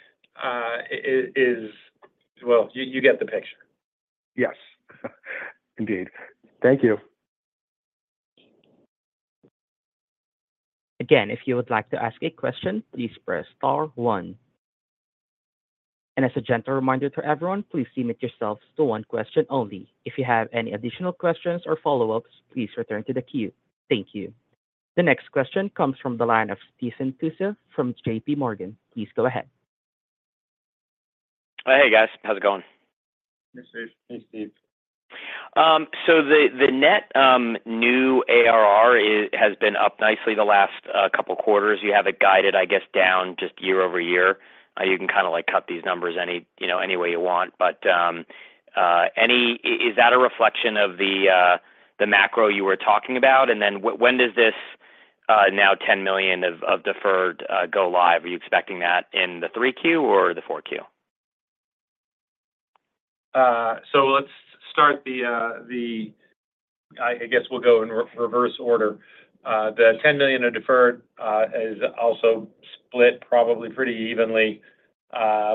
C: well, you get the picture.
J: Yes. Indeed. Thank you.
A: Again, if you would like to ask a question, please press star one. As a gentle reminder to everyone, please limit yourselves to one question only. If you have any additional questions or follow-ups, please return to the queue. Thank you. The next question comes from the line of Stephen Tusa from JPMorgan. Please go ahead.
K: Hi, guys. How's it going?
D: Hey, Steve.
C: Hey, Steve.
K: So the net new ARR has been up nicely the last couple quarters. You have it guided, I guess, down just year-over-year. You can kinda like cut these numbers any, you know, any way you want. But any... Is that a reflection of the macro you were talking about? And then when does this now $10 million of deferred go live? Are you expecting that in 3Q or 4Q?
D: So let's start the... I guess we'll go in reverse order. The $10 million of deferred is also split probably pretty evenly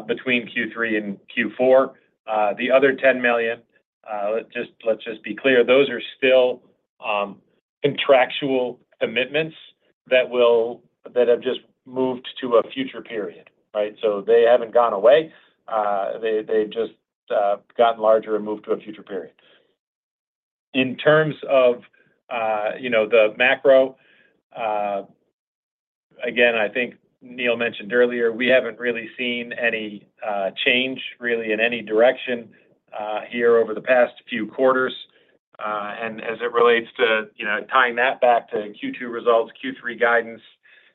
D: between Q3 and Q4. The other $10 million, let's just, let's just be clear, those are still contractual commitments that have just moved to a future period, right? So they haven't gone away, they, they've just gotten larger and moved to a future period. In terms of, you know, the macro, again, I think Neil mentioned earlier, we haven't really seen any change really in any direction here over the past few quarters. And as it relates to, you know, tying that back to Q2 results, Q3 guidance,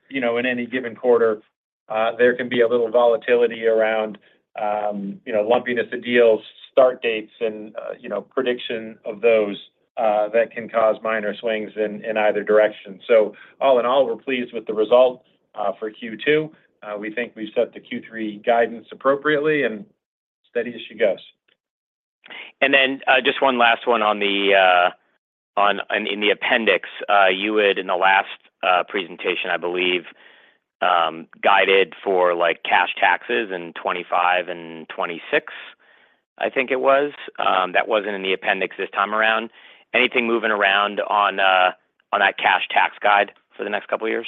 D: you know, in any given quarter, there can be a little volatility around, you know, lumpiness of deals, start dates, and, you know, prediction of those, that can cause minor swings in either direction. So all in all, we're pleased with the result for Q2. We think we've set the Q3 guidance appropriately, and steady as she goes.
K: And then, just one last one on the, on, on. In the appendix, you would, in the last presentation, I believe, guided for, like, cash taxes in 2025 and 2026, I think it was. That wasn't in the appendix this time around. Anything moving around on that cash tax guide for the next couple of years?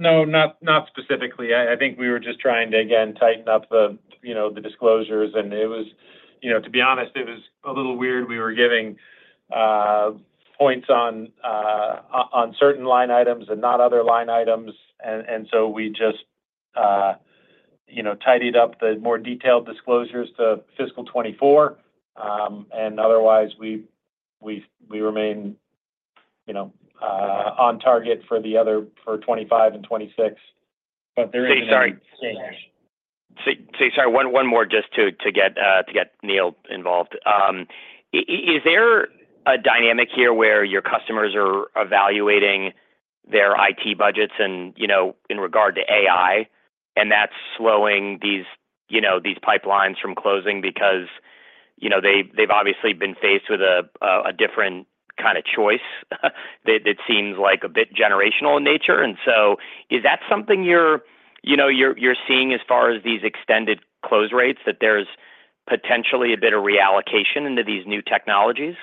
D: No, not specifically. I think we were just trying to, again, tighten up the, you know, the disclosures, and it was. You know, to be honest, it was a little weird. We were giving points on certain line items and not other line items. And so we just, you know, tidied up the more detailed disclosures to fiscal 2024. And otherwise, we remain, you know, on target for the other, for 2025 and 2026, but there isn't any change.
K: Sorry. Sorry, one more just to get Neil involved. Is there a dynamic here where your customers are evaluating their IT budgets and, you know, in regard to AI, and that's slowing these pipelines from closing? Because, you know, they've obviously been faced with a different kind of choice, that it seems like a bit generational in nature. And so is that something you're seeing as far as these extended close rates, that there's potentially a bit of reallocation into these new technologies?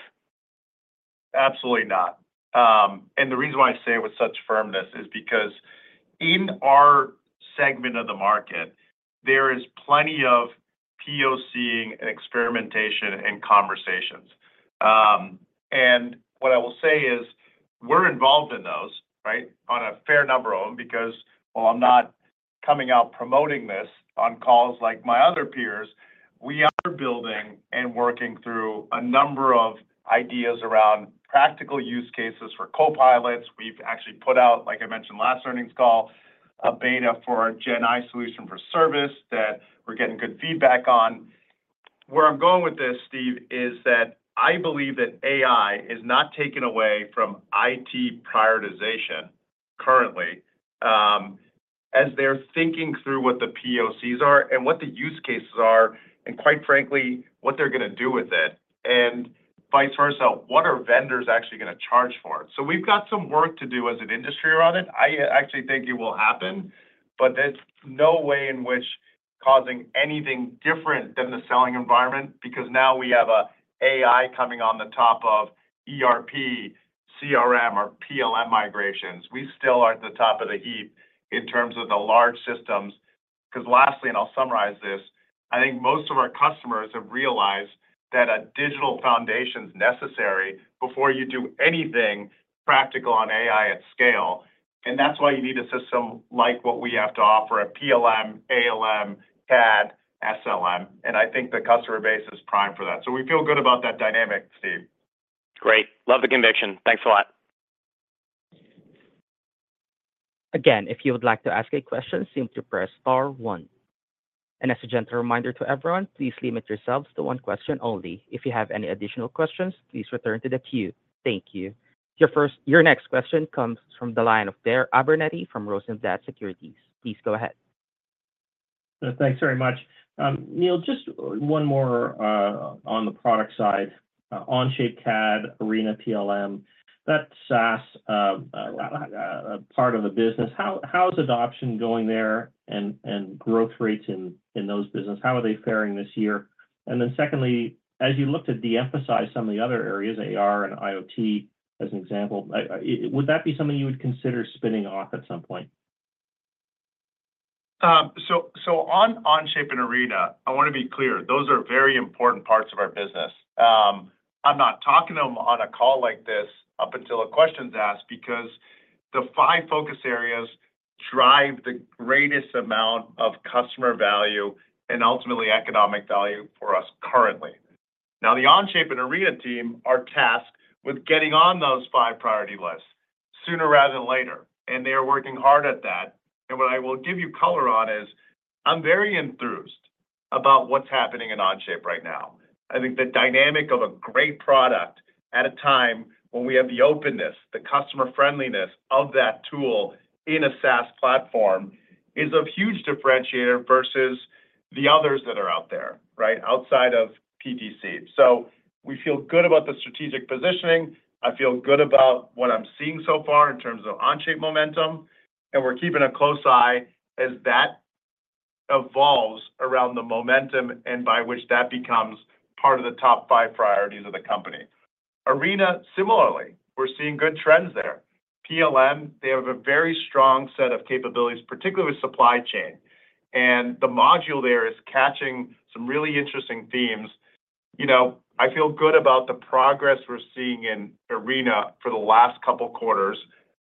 C: Absolutely not. And the reason why I say it with such firmness is because in our segment of the market, there is plenty of POC and experimentation and conversations. And what I will say is: we're involved in those, right? On a fair number of them, because, well, I'm not coming out promoting this on calls like my other peers. We are building and working through a number of ideas around practical use cases for copilots. We've actually put out, like I mentioned last earnings call, a beta for our Gen AI solution for service, that we're getting good feedback on. Where I'm going with this, Steve, is that I believe that AI is not taking away from IT prioritization currently. As they're thinking through what the POCs are and what the use cases are, and quite frankly, what they're gonna do with it, and vice versa, what are vendors actually gonna charge for it? So we've got some work to do as an industry around it. I actually think it will happen, but there's no way in which-... causing anything different than the selling environment, because now we have a AI coming on the top of ERP, CRM, or PLM migrations. We still are at the top of the heap in terms of the large systems, because lastly, and I'll summarize this, I think most of our customers have realized that a digital foundation is necessary before you do anything practical on AI at scale. And that's why you need a system like what we have to offer, a PLM, ALM, CAD, SLM, and I think the customer base is primed for that. So we feel good about that dynamic, Steve.
K: Great. Love the conviction. Thanks a lot.
A: Again, if you would like to ask a question, simply press star one. As a gentle reminder to everyone, please limit yourselves to one question only. If you have any additional questions, please return to the queue. Thank you. Your next question comes from the line of Blair Abernethy from Rosenblatt Securities. Please go ahead.
L: Thanks very much. Neil, just one more, on the product side. Onshape CAD, Arena PLM, that SaaS part of the business, how is adoption going there and growth rates in those business? How are they faring this year? And then secondly, as you look to de-emphasize some of the other areas, AR and IoT, as an example, would that be something you would consider spinning off at some point?
C: So on Onshape and Arena, I want to be clear, those are very important parts of our business. I'm not talking to them on a call like this up until a question's asked, because the five focus areas drive the greatest amount of customer value and ultimately economic value for us currently. Now, the Onshape and Arena team are tasked with getting on those five priority lists sooner rather than later, and they are working hard at that. What I will give you color on is, I'm very enthused about what's happening in Onshape right now. I think the dynamic of a great product at a time when we have the openness, the customer friendliness of that tool in a SaaS platform is a huge differentiator versus the others that are out there, right? Outside of PTC. So we feel good about the strategic positioning. I feel good about what I'm seeing so far in terms of Onshape momentum, and we're keeping a close eye as that evolves around the momentum and by which that becomes part of the top five priorities of the company. Arena, similarly, we're seeing good trends there. PLM, they have a very strong set of capabilities, particularly with supply chain, and the module there is catching some really interesting themes. You know, I feel good about the progress we're seeing in Arena for the last couple quarters.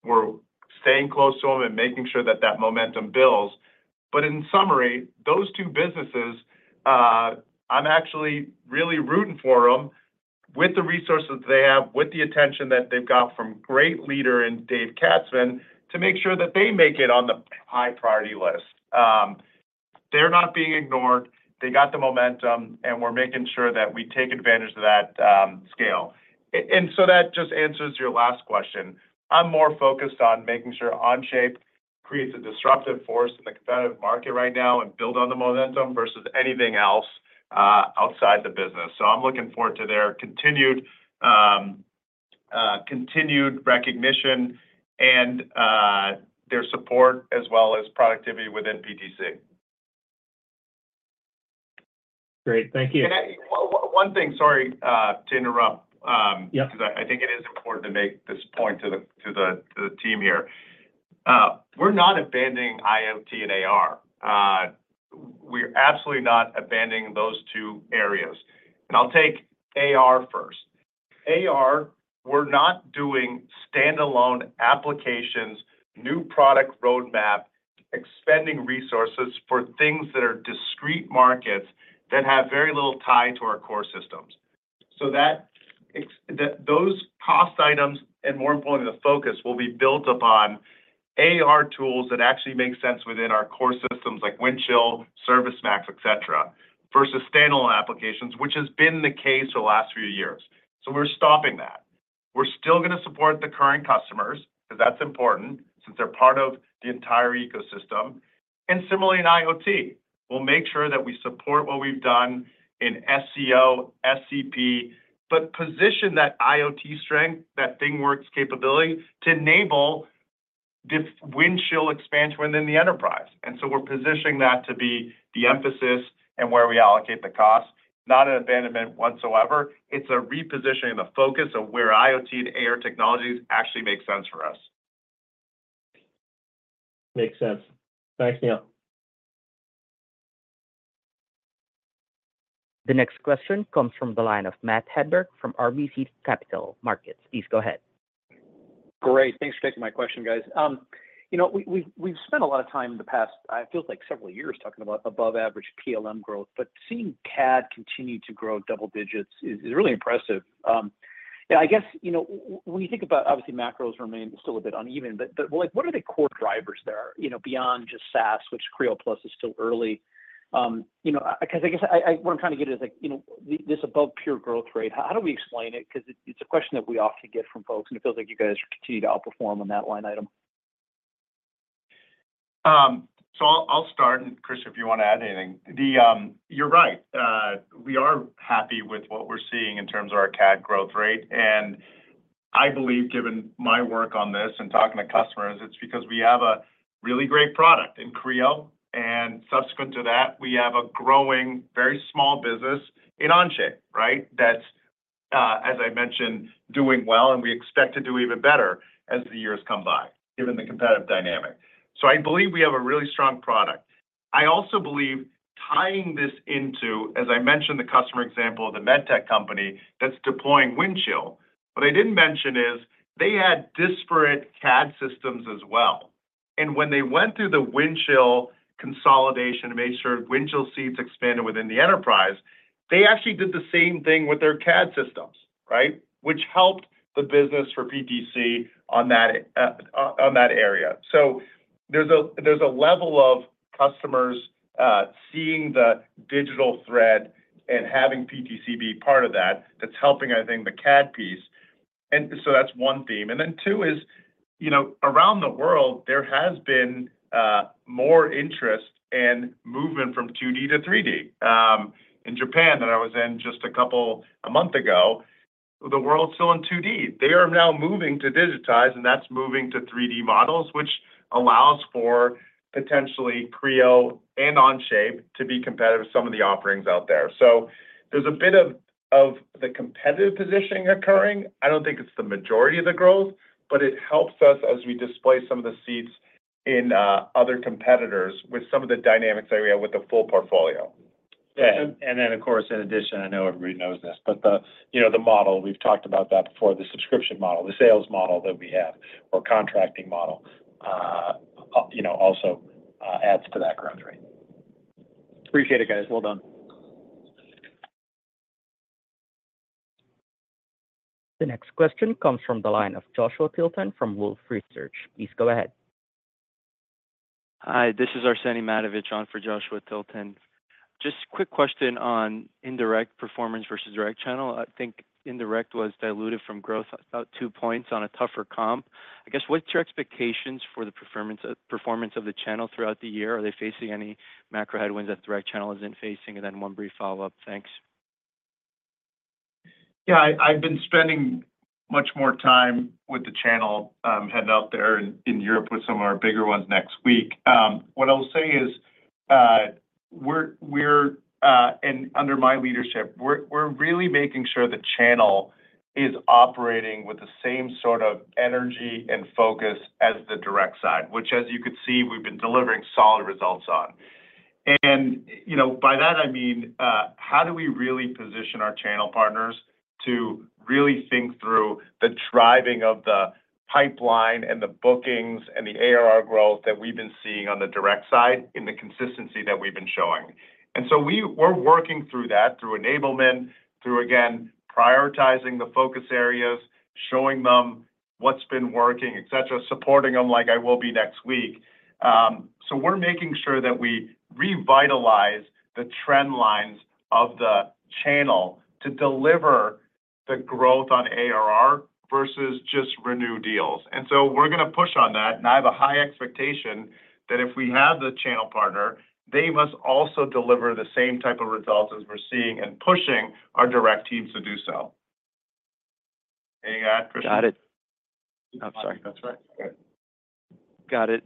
C: We're staying close to them and making sure that that momentum builds. But in summary, those two businesses, I'm actually really rooting for them with the resources they have, with the attention that they've got from great leader in Dave Katzman, to make sure that they make it on the high priority list. They're not being ignored, they got the momentum, and we're making sure that we take advantage of that, scale. And so that just answers your last question. I'm more focused on making sure Onshape creates a disruptive force in the competitive market right now and build on the momentum versus anything else, outside the business. So I'm looking forward to their continued recognition and, their support as well as productivity within PTC.
L: Great. Thank you.
C: One thing, sorry, to interrupt-
L: Yeah...
C: because I think it is important to make this point to the team here. We're not abandoning IoT and AR. We're absolutely not abandoning those two areas, and I'll take AR first. AR, we're not doing standalone applications, new product roadmap, expending resources for things that are discrete markets that have very little tie to our core systems. So that—those cost items, and more importantly, the focus, will be built upon AR tools that actually make sense within our core systems, like Windchill, ServiceMax, et cetera, versus standalone applications, which has been the case for the last few years. So we're stopping that. We're still going to support the current customers, because that's important, since they're part of the entire ecosystem. And similarly in IoT, we'll make sure that we support what we've done in SCO, SCP, but position that IoT strength, that ThingWorx capability, to enable this Windchill expansion within the enterprise. And so we're positioning that to be the emphasis and where we allocate the cost. Not an abandonment whatsoever. It's a repositioning, the focus of where IoT and AR technologies actually make sense for us.
L: Makes sense. Thanks, Neil.
A: The next question comes from the line of Matt Hedberg from RBC Capital Markets. Please go ahead.
M: Great. Thanks for taking my question, guys. You know, we've spent a lot of time in the past, it feels like several years, talking about above average PLM growth, but seeing CAD continue to grow double digits is really impressive. Yeah, I guess, you know, when you think about obviously macros remain still a bit uneven, but, like, what are the core drivers there, you know, beyond just SaaS, which Creo+ is still early. You know, because I guess what I'm trying to get is, like, you know, this above average growth rate, how do we explain it? Because it's a question that we often get from folks, and it feels like you guys continue to outperform on that line item.
C: So I'll start, and Kristian, if you want to add anything. You're right. We are happy with what we're seeing in terms of our CAD growth rate, and I believe, given my work on this and talking to customers, it's because we have a really great product in Creo, and subsequent to that, we have a growing, very small business in Onshape, right? That's, as I mentioned, doing well, and we expect to do even better as the years come by, given the competitive dynamic. So I believe we have a really strong product. I also believe tying this into, as I mentioned, the customer example of the med tech company that's deploying Windchill. What I didn't mention is, they had disparate CAD systems as well, and when they went through the Windchill consolidation to make sure Windchill seats expanded within the enterprise, they actually did the same thing with their CAD systems, right? Which helped the business for PTC on that area. So there's a level of customers seeing the digital thread and having PTC be part of that, that's helping, I think, the CAD piece. And so that's one theme. And then two is, you know, around the world, there has been more interest in moving from 2D to 3D. In Japan, that I was in just a month ago, the world's still in 2D. They are now moving to digitize, and that's moving to 3D models, which allows for potentially Creo and Onshape to be competitive with some of the offerings out there. So there's a bit of, of the competitive positioning occurring. I don't think it's the majority of the growth, but it helps us as we display some of the seats in other competitors with some of the dynamics that we have with the full portfolio.
D: Yeah, and, and then, of course, in addition, I know everybody knows this, but the, you know, the model, we've talked about that before, the subscription model, the sales model that we have, or contracting model, you know, also adds to that growth rate.
M: Appreciate it, guys. Well done.
A: The next question comes from the line of Joshua Tilton from Wolfe Research. Please go ahead.
N: Hi, this is Arsenije Matovic on for Joshua Tilton. Just a quick question on indirect performance versus direct channel. I think indirect was diluted from growth about two points on a tougher comp. I guess, what's your expectations for the performance of, performance of the channel throughout the year? Are they facing any macro headwinds that the direct channel isn't facing? And then one brief follow-up. Thanks.
C: Yeah, I've been spending much more time with the channel, heading out there in Europe with some of our bigger ones next week. What I will say is, and under my leadership, we're really making sure the channel is operating with the same sort of energy and focus as the direct side, which, as you can see, we've been delivering solid results on. And, you know, by that I mean, how do we really position our channel partners to really think through the driving of the pipeline and the bookings and the ARR growth that we've been seeing on the direct side in the consistency that we've been showing? And so we're working through that, through enablement, through, again, prioritizing the focus areas, showing them what's been working, et cetera, supporting them like I will be next week. So, we're making sure that we revitalize the trend lines of the channel to deliver the growth on ARR versus just renew deals. And so we're gonna push on that, and I have a high expectation that if we have the channel partner, they must also deliver the same type of results as we're seeing and pushing our direct teams to do so. Anything to add, Kristian?
N: Got it. I'm sorry.
C: That's all right.
N: Got it.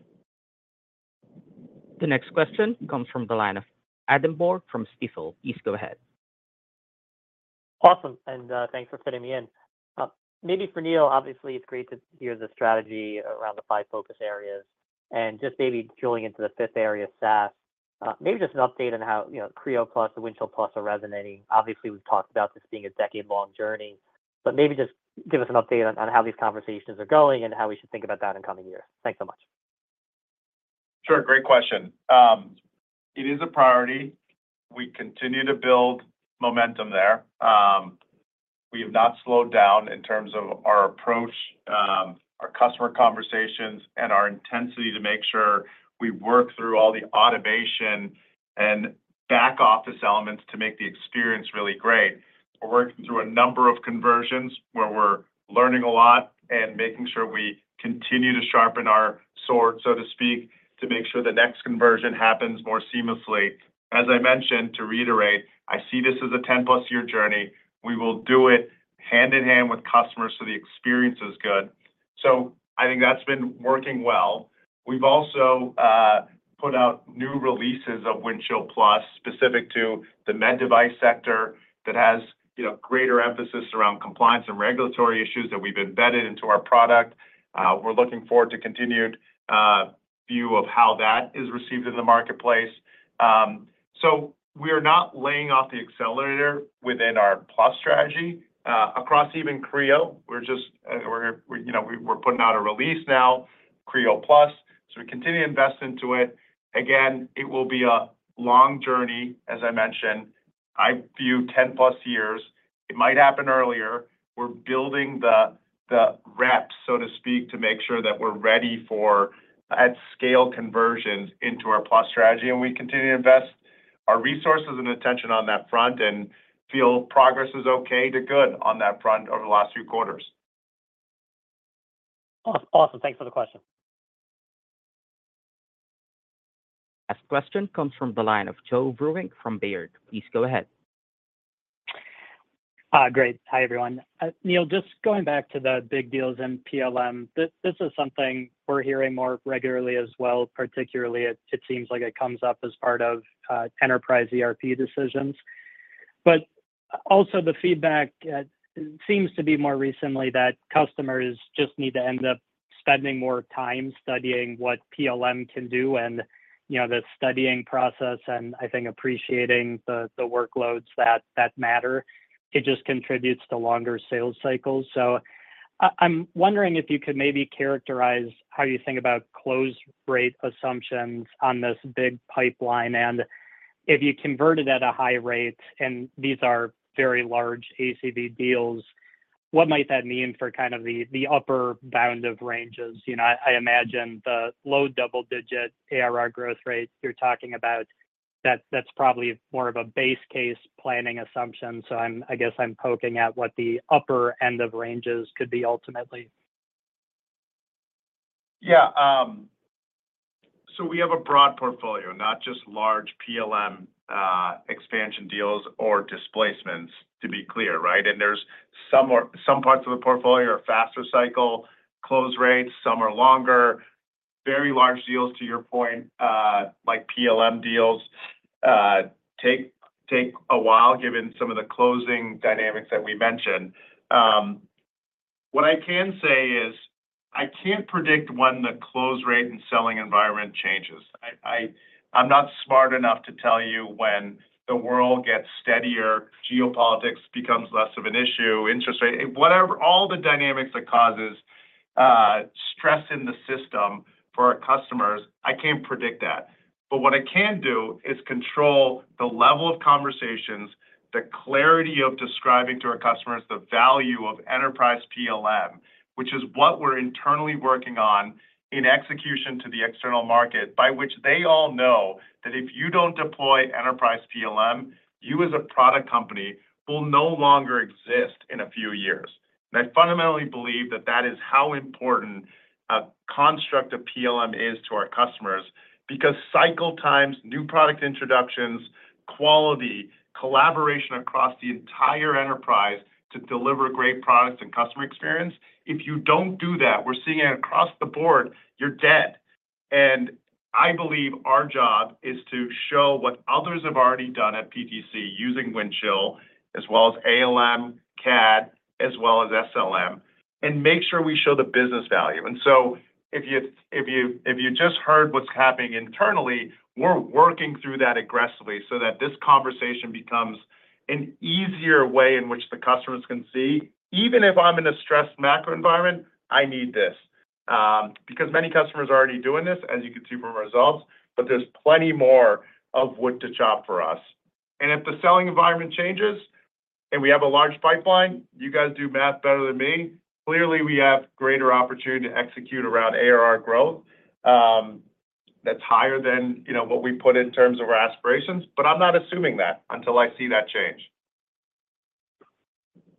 A: The next question comes from the line of Adam Borg from Stifel. Please go ahead.
O: Awesome, and thanks for fitting me in. Maybe for Neil, obviously, it's great to hear the strategy around the five focus areas and just maybe drilling into the fifth area, SaaS, maybe just an update on how, you know, Creo+ and Windchill+ are resonating. Obviously, we've talked about this being a decade-long journey, but maybe just give us an update on how these conversations are going and how we should think about that in coming years. Thanks so much.
C: Sure, great question. It is a priority. We continue to build momentum there. We have not slowed down in terms of our approach, our customer conversations, and our intensity to make sure we work through all the automation and back office elements to make the experience really great. We're working through a number of conversions where we're learning a lot and making sure we continue to sharpen our sword, so to speak, to make sure the next conversion happens more seamlessly. As I mentioned, to reiterate, I see this as a 10+ year journey. We will do it hand-in-hand with customers, so the experience is good. So I think that's been working well. We've also put out new releases of Windchill+, specific to the med device sector, that has, you know, greater emphasis around compliance and regulatory issues that we've embedded into our product. We're looking forward to continued view of how that is received in the marketplace. So we are not laying off the accelerator within our plus strategy. Across even Creo, we're just, we're, you know, we're putting out a release now, Creo+, so we continue to invest into it. Again, it will be a long journey, as I mentioned. I view 10+ years. It might happen earlier. We're building the, the rep, so to speak, to make sure that we're ready for at-scale conversions into our plus strategy, and we continue to invest our resources and attention on that front and feel progress is okay to good on that front over the last few quarters.
O: Awesome. Thanks for the question....
A: Last question comes from the line of Joe Vruwink from Baird. Please go ahead.
P: Great. Hi, everyone. Neil, just going back to the big deals in PLM, this, this is something we're hearing more regularly as well, particularly it, it seems like it comes up as part of enterprise ERP decisions. But also the feedback seems to be more recently that customers just need to end up spending more time studying what PLM can do, and, you know, the studying process, and I think appreciating the, the workloads that, that matter, it just contributes to longer sales cycles. So, I'm wondering if you could maybe characterize how you think about close rate assumptions on this big pipeline, and if you convert it at a high rate, and these are very large ACV deals, what might that mean for kind of the upper bound of ranges? You know, I, I imagine the low double-digit ARR growth rate you're talking about, that's, that's probably more of a base case planning assumption. So I'm, I guess I'm poking at what the upper end of ranges could be ultimately.
C: Yeah, so we have a broad portfolio, not just large PLM expansion deals or displacements, to be clear, right? And some parts of the portfolio are faster cycle, close rates, some are longer, very large deals to your point, like PLM deals take a while, given some of the closing dynamics that we mentioned. What I can say is, I can't predict when the close rate and selling environment changes. I'm not smart enough to tell you when the world gets steadier, geopolitics becomes less of an issue, interest rate, whatever, all the dynamics that causes stress in the system for our customers, I can't predict that. But what I can do is control the level of conversations, the clarity of describing to our customers the value of enterprise PLM, which is what we're internally working on in execution to the external market, by which they all know that if you don't deploy enterprise PLM, you as a product company will no longer exist in a few years. And I fundamentally believe that that is how important a construct of PLM is to our customers, because cycle times, new product introductions, quality, collaboration across the entire enterprise to deliver great products and customer experience, if you don't do that, we're seeing it across the board, you're dead. And I believe our job is to show what others have already done at PTC using Windchill as well as ALM, CAD, as well as SLM, and make sure we show the business value. And so if you just heard what's happening internally, we're working through that aggressively so that this conversation becomes an easier way in which the customers can see. Even if I'm in a stressed macro environment, I need this. Because many customers are already doing this, as you can see from our results, but there's plenty more of wood to chop for us. And if the selling environment changes and we have a large pipeline, you guys do math better than me, clearly, we have greater opportunity to execute around ARR growth. That's higher than, you know, what we put in terms of our aspirations, but I'm not assuming that until I see that change.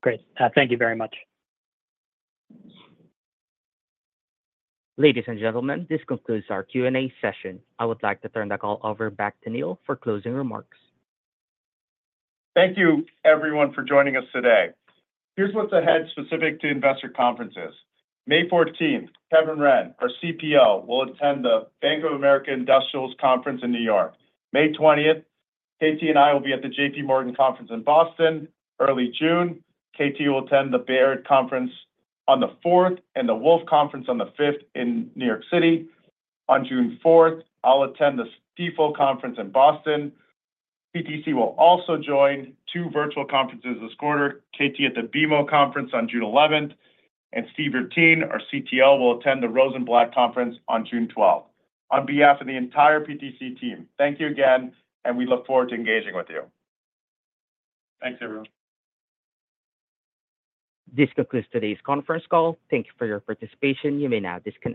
P: Great. Thank you very much.
A: Ladies, and gentlemen, this concludes our Q&A session. I would like to turn the call over back to Neil for closing remarks.
C: Thank you everyone for joining us today. Here's what's ahead specific to investor conferences. May 14th, Kevin Wrenn, our CPO, will attend the Bank of America Industrials conference in New York. May 20th, KT and I will be at the JPMorgan conference in Boston. Early June, KT will attend the Baird conference on the 4th and the Wolfe conference on the 5th in New York City. On June 4th, I'll attend the Stifel conference in Boston. PTC will also join two virtual conferences this quarter, KT at the BMO conference on June 11th, and Steve Dertien, our CTO, will attend the Rosenblatt conference on June 12th. On behalf of the entire PTC team, thank you again, and we look forward to engaging with you. Thanks, everyone.
A: This concludes today's conference call. Thank you for your participation. You may now disconnect.